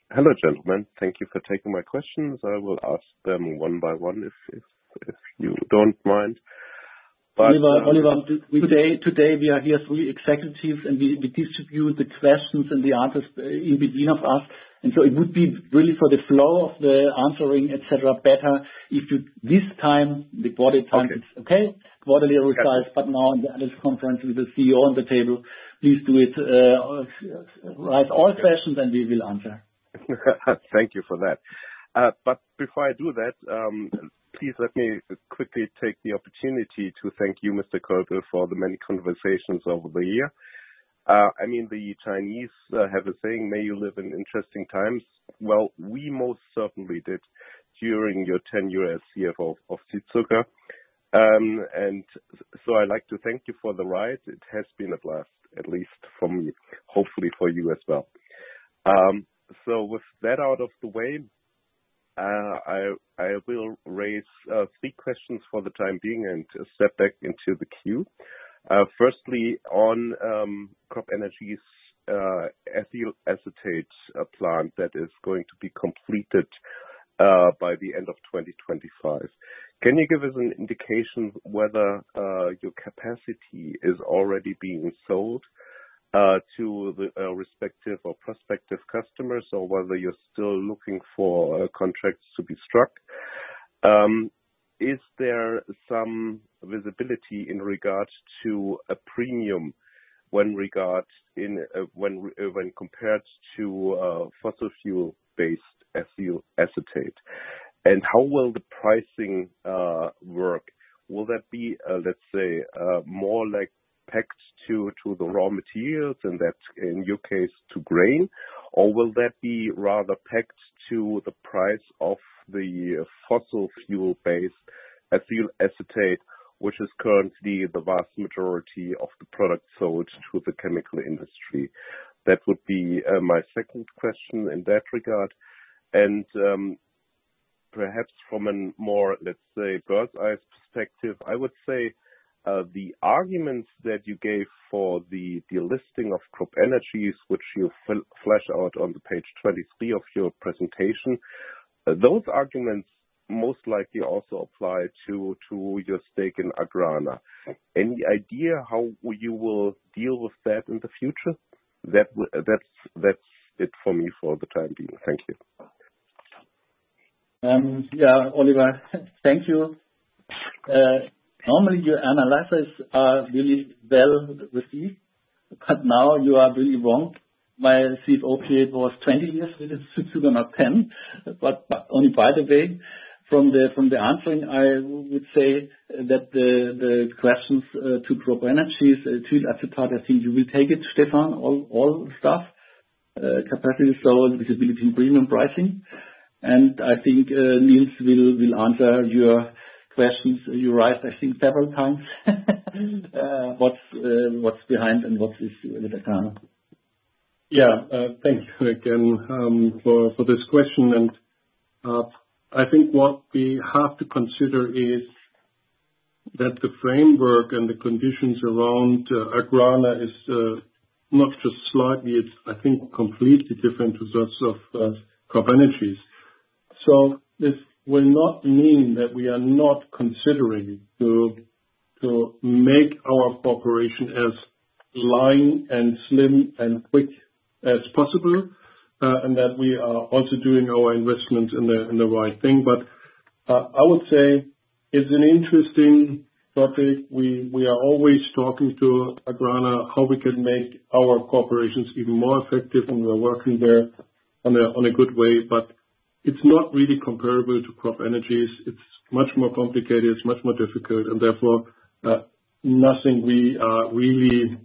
Hello, gentlemen. Thank you for taking my questions. I will ask them one by one if you don't mind. But, Oliver, today we are here as three executives, and we distribute the questions and the answers in between of us. And so it would be really for the flow of the answering, et cetera, better if you this time, we got it right. Okay. Okay? Quarterly results- Okay. But now in the analyst conference with the CEO on the table, please do it, write all questions and we will answer. Thank you for that. But before I do that, please let me quickly take the opportunity to thank you, Mr. Kölbl, for the many conversations over the year. I mean, the Chinese have a saying, "May you live in interesting times." Well, we most certainly did during your tenure as CFO of Südzucker. And so I'd like to thank you for the ride. It has been a blast, at least for me, hopefully for you as well. So with that out of the way, I will raise three questions for the time being and step back into the queue. Firstly, on CropEnergies, ethyl acetate plant that is going to be completed by the end of 2025. Can you give us an indication whether your capacity is already being sold to the respective or prospective customers, or whether you're still looking for contracts to be struck? Is there some visibility in regards to a premium when compared to ethyl acetate? And how will the pricing work? Will that be, let's say, more like pegged to the raw materials, and that, in your case, to grain? Or will that be rather pegged to the price of the fossil fuel-based ethyl acetate, which is currently the vast majority of the product sold to the chemical industry? That would be my second question in that regard. Perhaps from a more, let's say, bird's-eye perspective, I would say, the arguments that you gave for the listing of CropEnergies, which you fleshed out on page 23 of your presentation, those arguments most likely also apply to your stake in Agrana. Any idea how you will deal with that in the future? That's it for me for the time being. Thank you. Yeah, Oliver, thank you. Normally your analyses are really well received, but now you are really wrong. My CFO period was 20 years with Südzucker, not 10. But only by the way, from the answering, I would say that the questions to CropEnergies, ethyl acetate, I think you will take it, Stephan, all the stuff, capacity sold, visibility in premium pricing. And I think, Niels will answer your questions. You write, I think, several times, what's behind and what's the issue with Agrana. Yeah, thank you again for this question, and I think what we have to consider is that the framework and the conditions around Agrana is not just slightly, it's I think, completely different to those of CropEnergies. So this will not mean that we are not considering to make our cooperation as line and slim and quick as possible, and that we are also doing our investment in the right thing. But I would say it's an interesting topic. We are always talking to Agrana, how we can make our corporations even more effective, and we are working there on a good way, but it's not really comparable to CropEnergies. It's much more complicated, it's much more difficult, and therefore, nothing we are really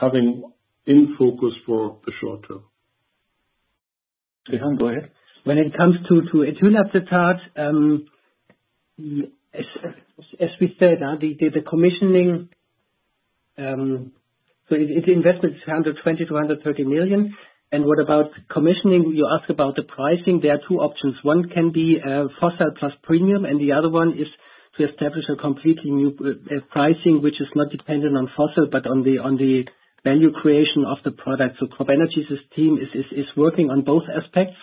having in focus for the short term. Stephan, go ahead. When it comes to ethyl acetate, as we said, the commissioning. So the investment is 120 million-130 million. And what about commissioning? You ask about the pricing. There are two options. One can be fossil plus premium, and the other one is to establish a completely new pricing, which is not dependent on fossil, but on the value creation of the product. So CropEnergies' team is working on both aspects.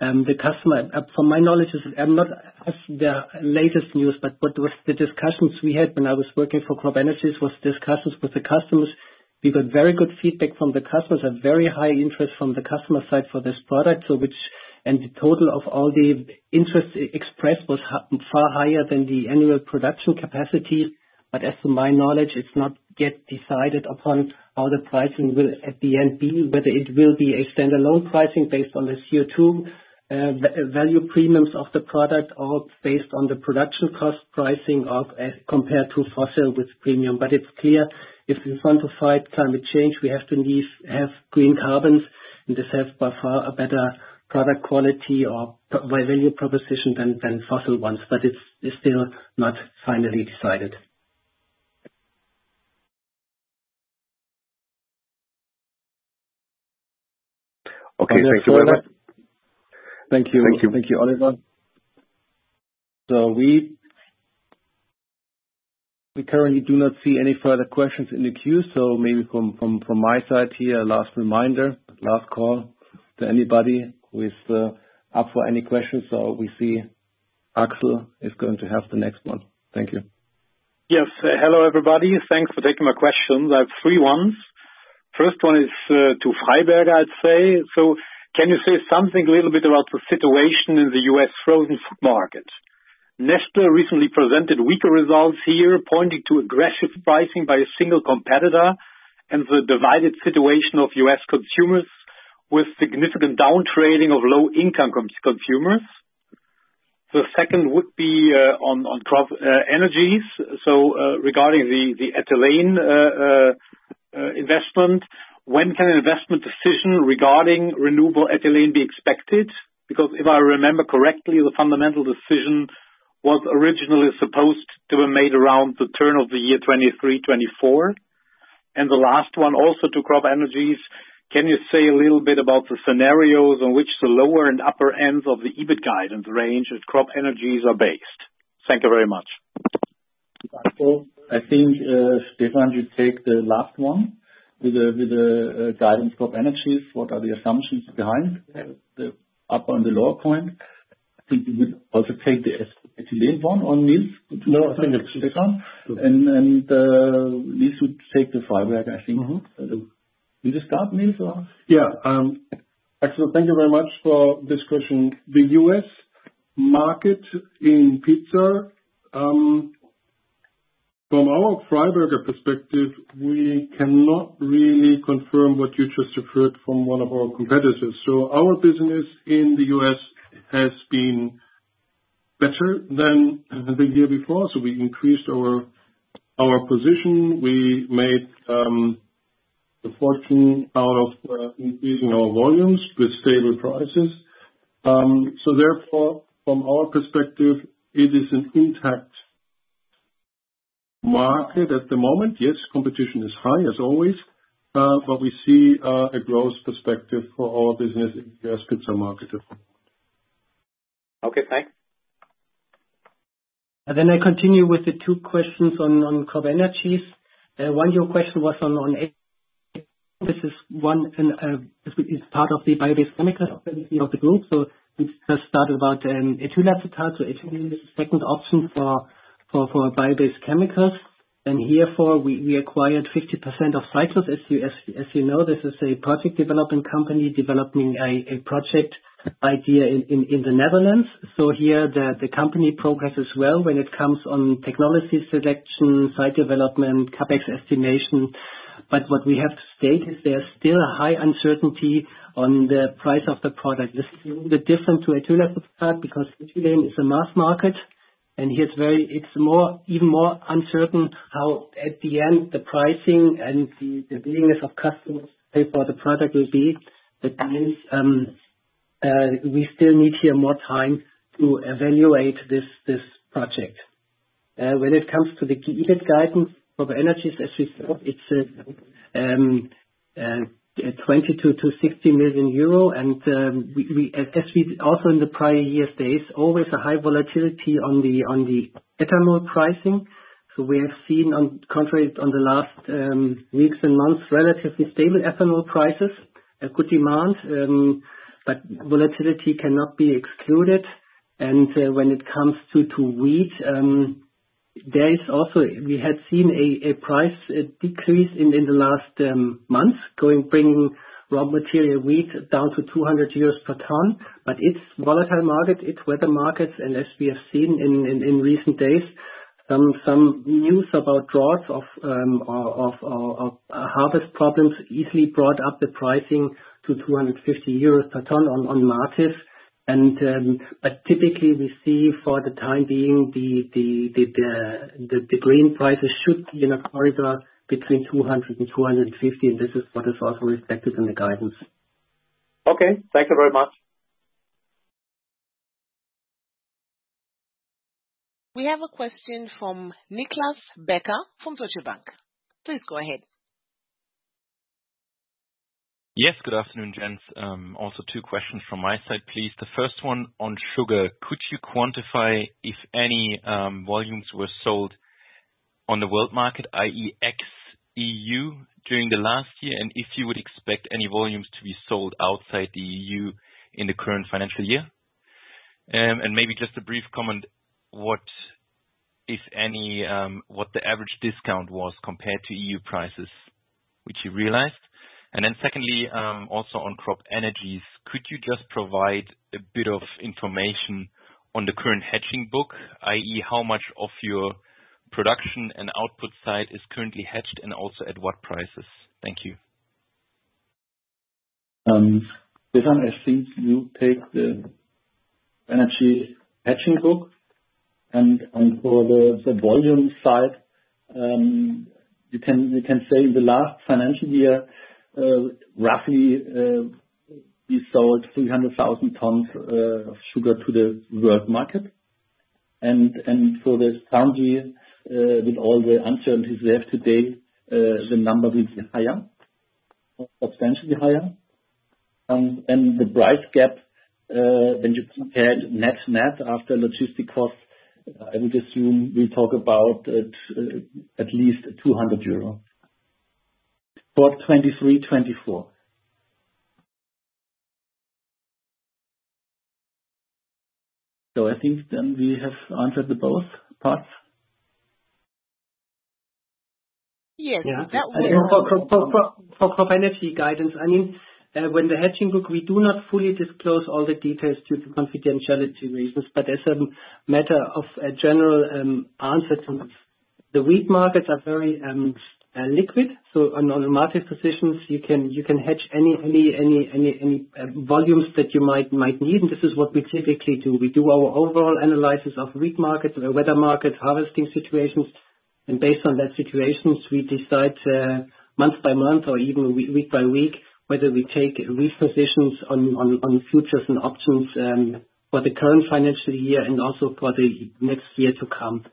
The customer from my knowledge is not as the latest news, but what was the discussions we had when I was working for CropEnergies, was discussions with the customers. We got very good feedback from the customers and very high interest from the customer side for this product, so the total of all the interest expressed was far higher than the annual production capacity. But as to my knowledge, it's not yet decided upon how the pricing will at the end be, whether it will be a standalone pricing based on the CO2 value premiums of the product or based on the production cost pricing of compared to fossil with premium. But it's clear, if we want to fight climate change, we have to at least have green carbons, and this has by far a better product quality by value proposition than fossil ones. But it's still not finally decided.... Okay, thank you very much. Thank you. Thank you, Oliver. So we currently do not see any further questions in the queue, so maybe from my side here, last reminder, last call to anybody who is up for any questions. So we see Axel is going to have the next one. Thank you. Yes. Hello, everybody. Thanks for taking my questions. I have three ones. First one is to Freiberger, I'd say. So can you say something a little bit about the situation in the US frozen food market? Nestlé recently presented weaker results here, pointing to aggressive pricing by a single competitor and the divided situation of US consumers, with significant downtrading of low-income consumers. The second would be on Crop Energies. So regarding the ethylene investment, when can an investment decision regarding renewable ethylene be expected? Because if I remember correctly, the fundamental decision was originally supposed to have made around the turn of the year 2023-2024. The last one, also to CropEnergies, can you say a little bit about the scenarios on which the lower and upper ends of the EBIT guidance range of CropEnergies are based? Thank you very much. I think, Stephan, you take the last one with the guidance Crop Energies. What are the assumptions behind the upper and lower point? I think you would also take the ethylene one on this- No, I think- Stephan. This would take the fiber, I think. Mm-hmm. You just start, Niels, or? Yeah. Axel, thank you very much for this question. The U.S. market in pizza, from our Freiberger perspective, we cannot really confirm what you just referred from one of our competitors. So our business in the U.S. has been better than the year before, so we increased our position. We made a fortune out of increasing our volumes with stable prices. So therefore, from our perspective, it is an intact market at the moment. Yes, competition is high, as always, but we see a growth perspective for our business in the U.S. pizza market. Okay, thanks. Then I continue with the two questions on CropEnergies. One, your question was on eight. This is one, and this is part of the chemicals of the group. So we just started about ethyl acetate, so ethyl acetate is the second option for bio-based chemicals. And here therefore, we acquired 50% of Syclus. As you know, this is a project development company, developing a project idea in the Netherlands. So here, the company progresses well when it comes on technology selection, site development, CapEx estimation. But what we have to state is there's still a high uncertainty on the price of the product. This is a little bit different to ethylene, because ethylene is a mass market, and here it's more, even more uncertain how, at the end, the pricing and the willingness of customers pay for the product will be. That means, we still need here more time to evaluate this project. When it comes to the EBIT guidance for the energies, as you saw, it's 22 million-60 million euro, and we as we also in the prior years, there is always a high volatility on the ethanol pricing. So we have seen on contract on the last weeks and months, relatively stable ethanol prices, a good demand, but volatility cannot be excluded. And when it comes to wheat, there is also... We had seen a price decrease in the last months, bringing raw material wheat down to 200 euros per ton. But it's volatile market, it's weather markets, and as we have seen in recent days, some news about droughts or harvest problems easily brought up the pricing to 250 euros per ton on markets. But typically we see for the time being, the grain prices should be in a corridor between 200 and 250, and this is what is also reflected in the guidance. Okay, thank you very much. We have a question from Niklas Becker, from Deutsche Bank. Please go ahead. Yes, good afternoon, gents. Also two questions from my side, please. The first one on sugar: Could you quantify if any volumes were sold on the world market, i.e., ex-EU, during the last year? And if you would expect any volumes to be sold outside the EU in the current financial year? And maybe just a brief comment, what, if any, what the average discount was compared to EU prices, which you realized. And then secondly, also on CropEnergies, could you just provide a bit of information on the current hedging book, i.e., how much of your production and output side is currently hedged, and also at what prices? Thank you. Stephan, I think you take the energy hedging book, and for the volume side, you can say the last financial year, roughly, we sold 300,000 tons of sugar to the world market?... And, and for this calendar year, with all the uncertainties we have today, the number will be higher, substantially higher. And the price gap, when you compare net, net after logistic cost, I would assume we talk about at least 200 euro for 2023, 2024. So I think then we have answered the both parts. Yes, that was- For CropEnergies guidance, I mean, when the hedging book, we do not fully disclose all the details due to confidentiality reasons, but as a matter of a general answer to this, the wheat markets are very liquid, so on the market positions, you can hedge any volumes that you might need, and this is what we typically do. We do our overall analysis of wheat market, the weather market, harvesting situations, and based on that situations, we decide month by month or even week by week, whether we take repositionings on futures and options for the current financial year and also for the next year to come.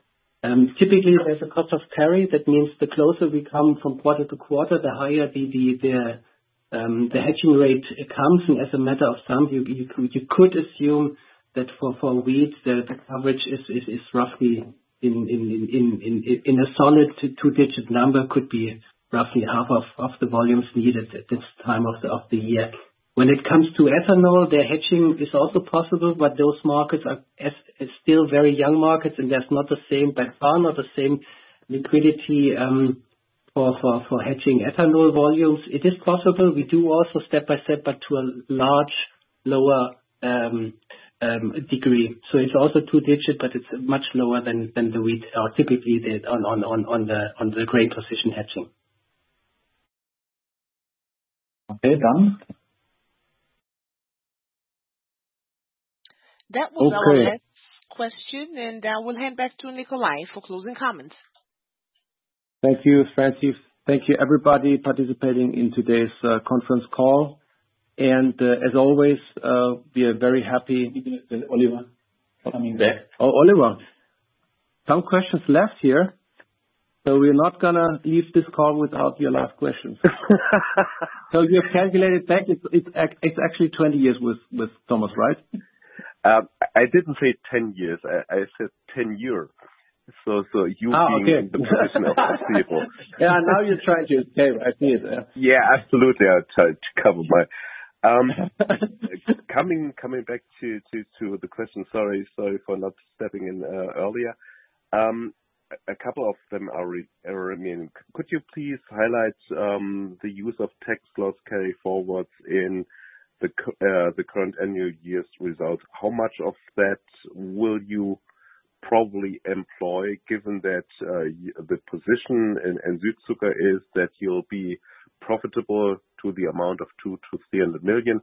Typically, there's a cost of carry. That means the closer we come from quarter to quarter, the higher the hedging rate it comes, and as a rule of thumb, you could assume that for weeks, the coverage is roughly in a solid two-digit number, could be roughly half of the volumes needed at this time of the year. When it comes to ethanol, the hedging is also possible, but those markets are. It's still very young markets, and there's not the same, by far, not the same liquidity for hedging ethanol volumes. It is possible. We do also step by step, but to a much lower degree. So it's also 2 digit, but it's much lower than the wheat are typically on the grain position hedging. Okay, done? That was our last question. Okay. We'll hand back to Nikolai for closing comments. Thank you, Francie. Thank you, everybody, participating in today's conference call. And, as always, we are very happy- Oliver, coming back. Oh, Oliver, some questions left here, so we're not gonna leave this call without your last questions. So you've calculated that it's actually 20 years with Thomas, right? I didn't say 10 years. I said tenure. So you being- Ah, okay. in the position of the people. Yeah, now you're trying to escape. I see that. Yeah, absolutely. I tried to cover my... Coming back to the question, sorry for not stepping in earlier. A couple of them are remaining. Could you please highlight the use of tax loss carryforwards in the current annual year's results? How much of that will you probably employ, given that the position in Südzucker is that you'll be profitable to the amount of 200 million-300 million?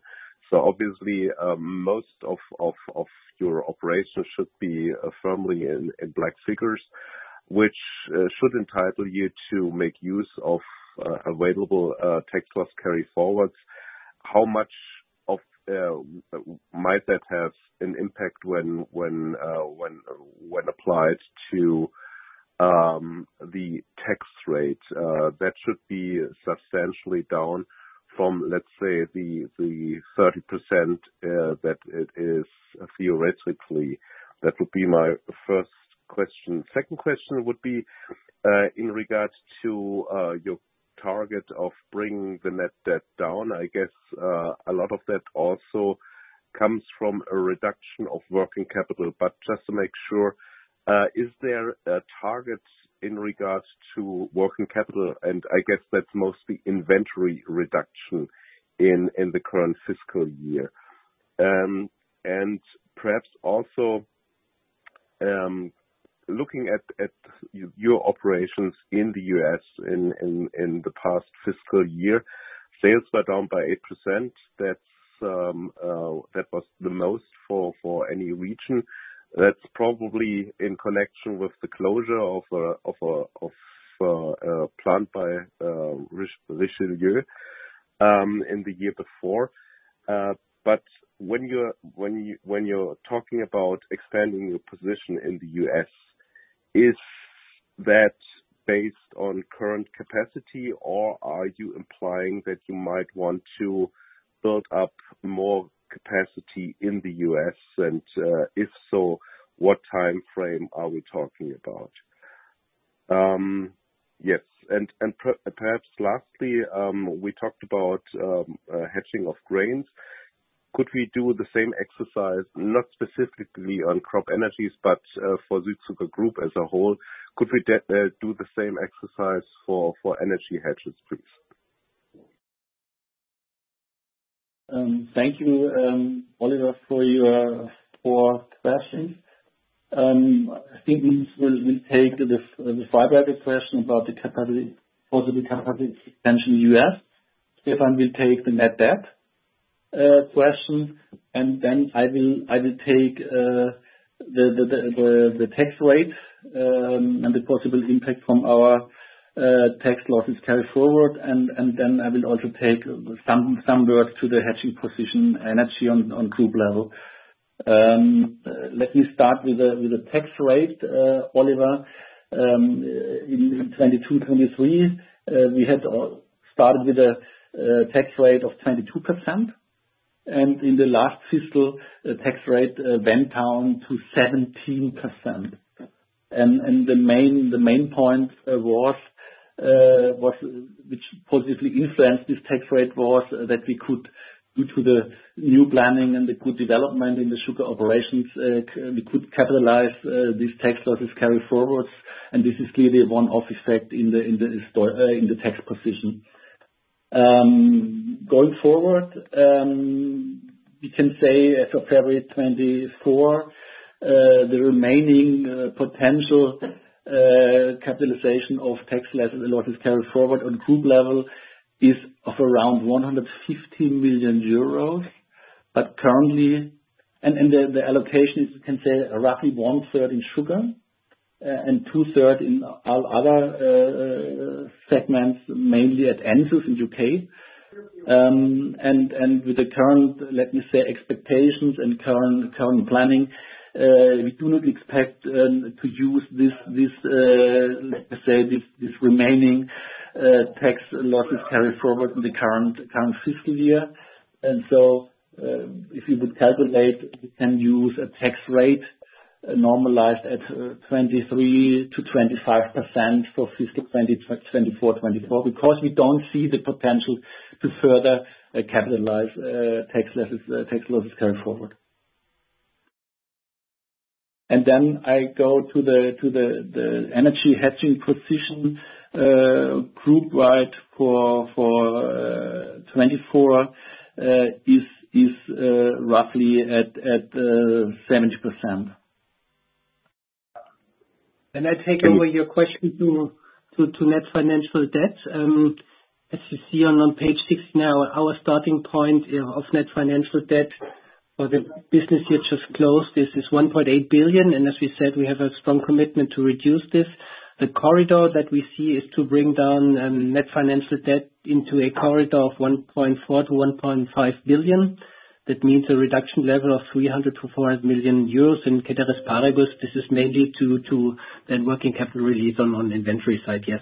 So obviously, most of your operations should be firmly in black figures, which should entitle you to make use of available tax loss carryforwards. How much might that have an impact when applied to the tax rate? That should be substantially down from, let's say, the 30% that it is theoretically. That would be my first question. Second question would be, in regards to, your target of bringing the net debt down. I guess, a lot of that also comes from a reduction of working capital, but just to make sure, is there a target in regards to working capital? And I guess that's mostly inventory reduction in the current fiscal year. And perhaps also, looking at your operations in the US in the past fiscal year, sales were down by 8%. That was the most for any region. That's probably in connection with the closure of a plant by Richelieu in the year before. But when you're talking about expanding your position in the US, is that based on current capacity, or are you implying that you might want to build up more capacity in the US? And, if so, what time frame are we talking about? Yes, and perhaps lastly, we talked about hedging of grains. Could we do the same exercise, not specifically on CropEnergies, but for Südzucker Group as a whole, could we do the same exercise for energy hedges, please? Thank you, Oliver, for your questions. I think we take the five other question about the capacity, possible capacity expansion in U.S. Stephan will take the net debt question, and then I will take the tax rate, and the possible impact from our-... tax losses carry forward, and then I will also take some words to the hedging position and actually on group level. Let me start with the tax rate, Oliver. In 2022-2023, we had started with a tax rate of 22%, and in the last fiscal, the tax rate went down to 17%. And the main point which positively influenced this tax rate was that we could, due to the new planning and the good development in the sugar operations, we could capitalize these tax losses carryforwards, and this is clearly a one-off effect in the short term in the tax position. Going forward, we can say as of February 2024, the remaining potential capitalization of tax losses carried forward on group level is around 150 million euros. But currently, the allocations, you can say, are roughly one-third in sugar and two-thirds in all other segments, mainly at Ensus in the U.K. With the current, let me say, expectations and current planning, we do not expect to use this, let's say, this remaining tax losses carried forward in the current fiscal year. So, if you would calculate, you can use a tax rate normalized at 23%-25% for fiscal 2024, 2024, because we don't see the potential to further capitalize tax losses, tax losses carry forward. And then I go to the energy hedging position group wide for 2024 is roughly at 70%. I take over your question to net financial debt. As you see on page 6 now, our starting point of net financial debt for the business year just closed, this is 1.8 billion, and as we said, we have a strong commitment to reduce this. The corridor that we see is to bring down net financial debt into a corridor of 1.4 billion-1.5 billion. That means a reduction level of 300 million-400 million euros, and ceteris paribus, this is mainly to that working capital release on the inventory side, yes.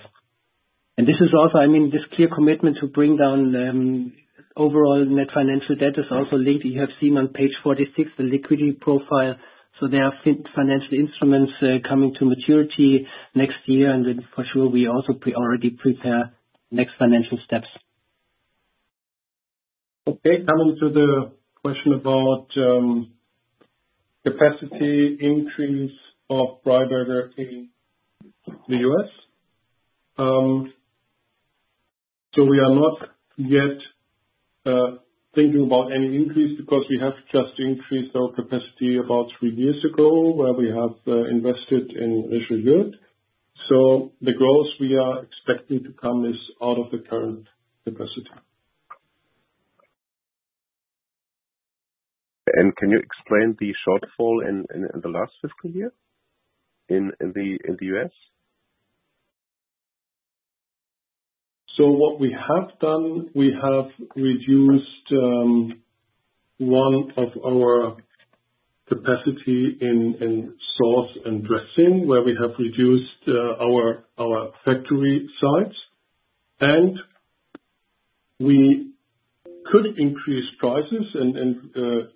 This is also, I mean, this clear commitment to bring down overall net financial debt is also linked. You have seen on page 46, the liquidity profile, so there are financial instruments coming to maturity next year, and then for sure, we also already prepare next financial steps. Okay, coming to the question about capacity increase of Freiberger in the U.S. So we are not yet thinking about any increase, because we have just increased our capacity about three years ago, where we have invested in initial build. So the growth we are expecting to come is out of the current capacity. Can you explain the shortfall in the last fiscal year in the U.S.? So what we have done, we have reduced one of our capacity in sauce and dressing, where we have reduced our factory sites. And we could increase prices and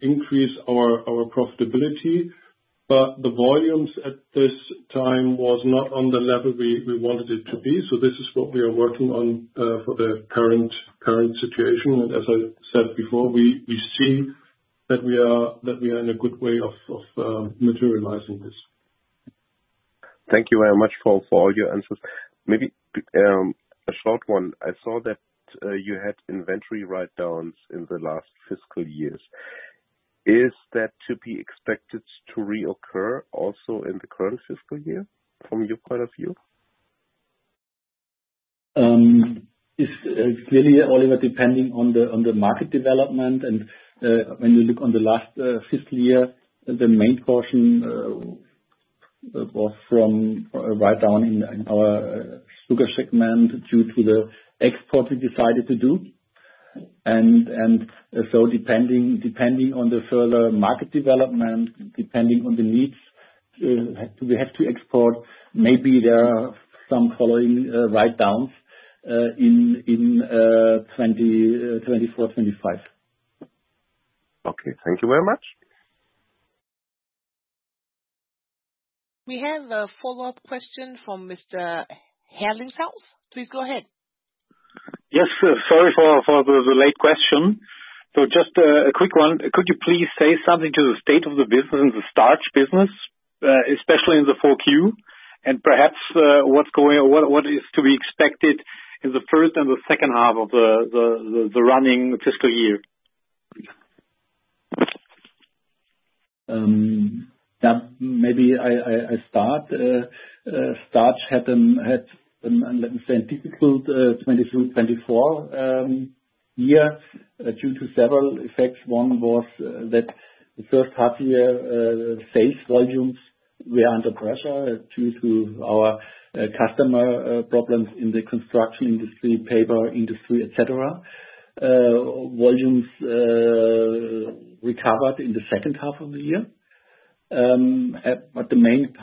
increase our profitability, but the volumes at this time was not on the level we wanted it to be, so this is what we are working on for the current situation. And as I said before, we see that we are in a good way of materializing this. Thank you very much for all your answers. Maybe, a short one. I saw that you had inventory writedowns in the last fiscal years. Is that to be expected to reoccur also in the current fiscal year, from your point of view? It's clearly, Oliver, depending on the market development. When you look on the last fiscal year, the main portion was from writedown in our sugar segment, due to the export we decided to do. And so depending on the further market development, depending on the needs, we have to export, maybe there are some following writedowns in 2024-2025. Okay. Thank you very much. We have a follow-up question from Mr. Herlinghaus. Please go ahead. Yes, sorry for the late question. So just a quick one: Could you please say something to the state of the business, the starch business, especially in the 4Q? And perhaps, what is to be expected in the first and the second half of the running fiscal year? Yeah, maybe I start. Starch had, let me say, a difficult 2024 year due to several effects. One was that the first half year sales volumes were under pressure due to our customer problems in the construction industry, paper industry, et cetera. Volumes recovered in the second half of the year. But the main,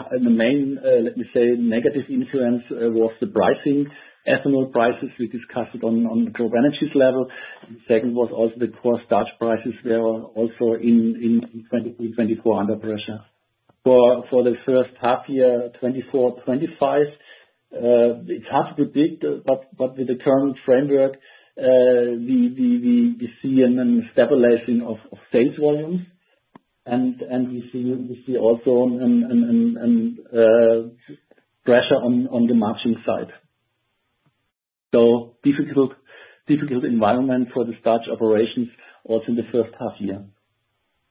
let me say, negative influence was the pricing. Ethanol prices, we discussed it on the CropEnergies level. Second, was also the coarse starch prices were also in 2024 under pressure. For the first half year 2024-2025, it's hard to predict, but with the current framework, we see a stabilization of sales volumes, and we see also a pressure on the margin side. So difficult environment for the starch operations, also in the first half year.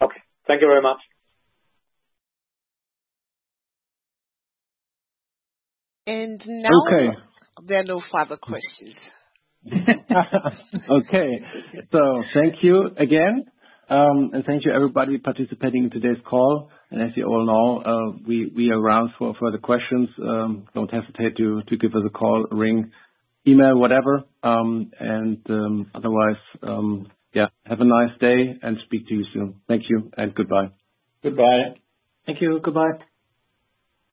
Okay. Thank you very much. And now- Okay. There are no further questions. Okay. So thank you again, and thank you everybody participating in today's call. And as you all know, we are around for further questions. Don't hesitate to give us a call, ring, email, whatever, and otherwise, yeah, have a nice day, and speak to you soon. Thank you, and goodbye. Goodbye. Thank you. Goodbye.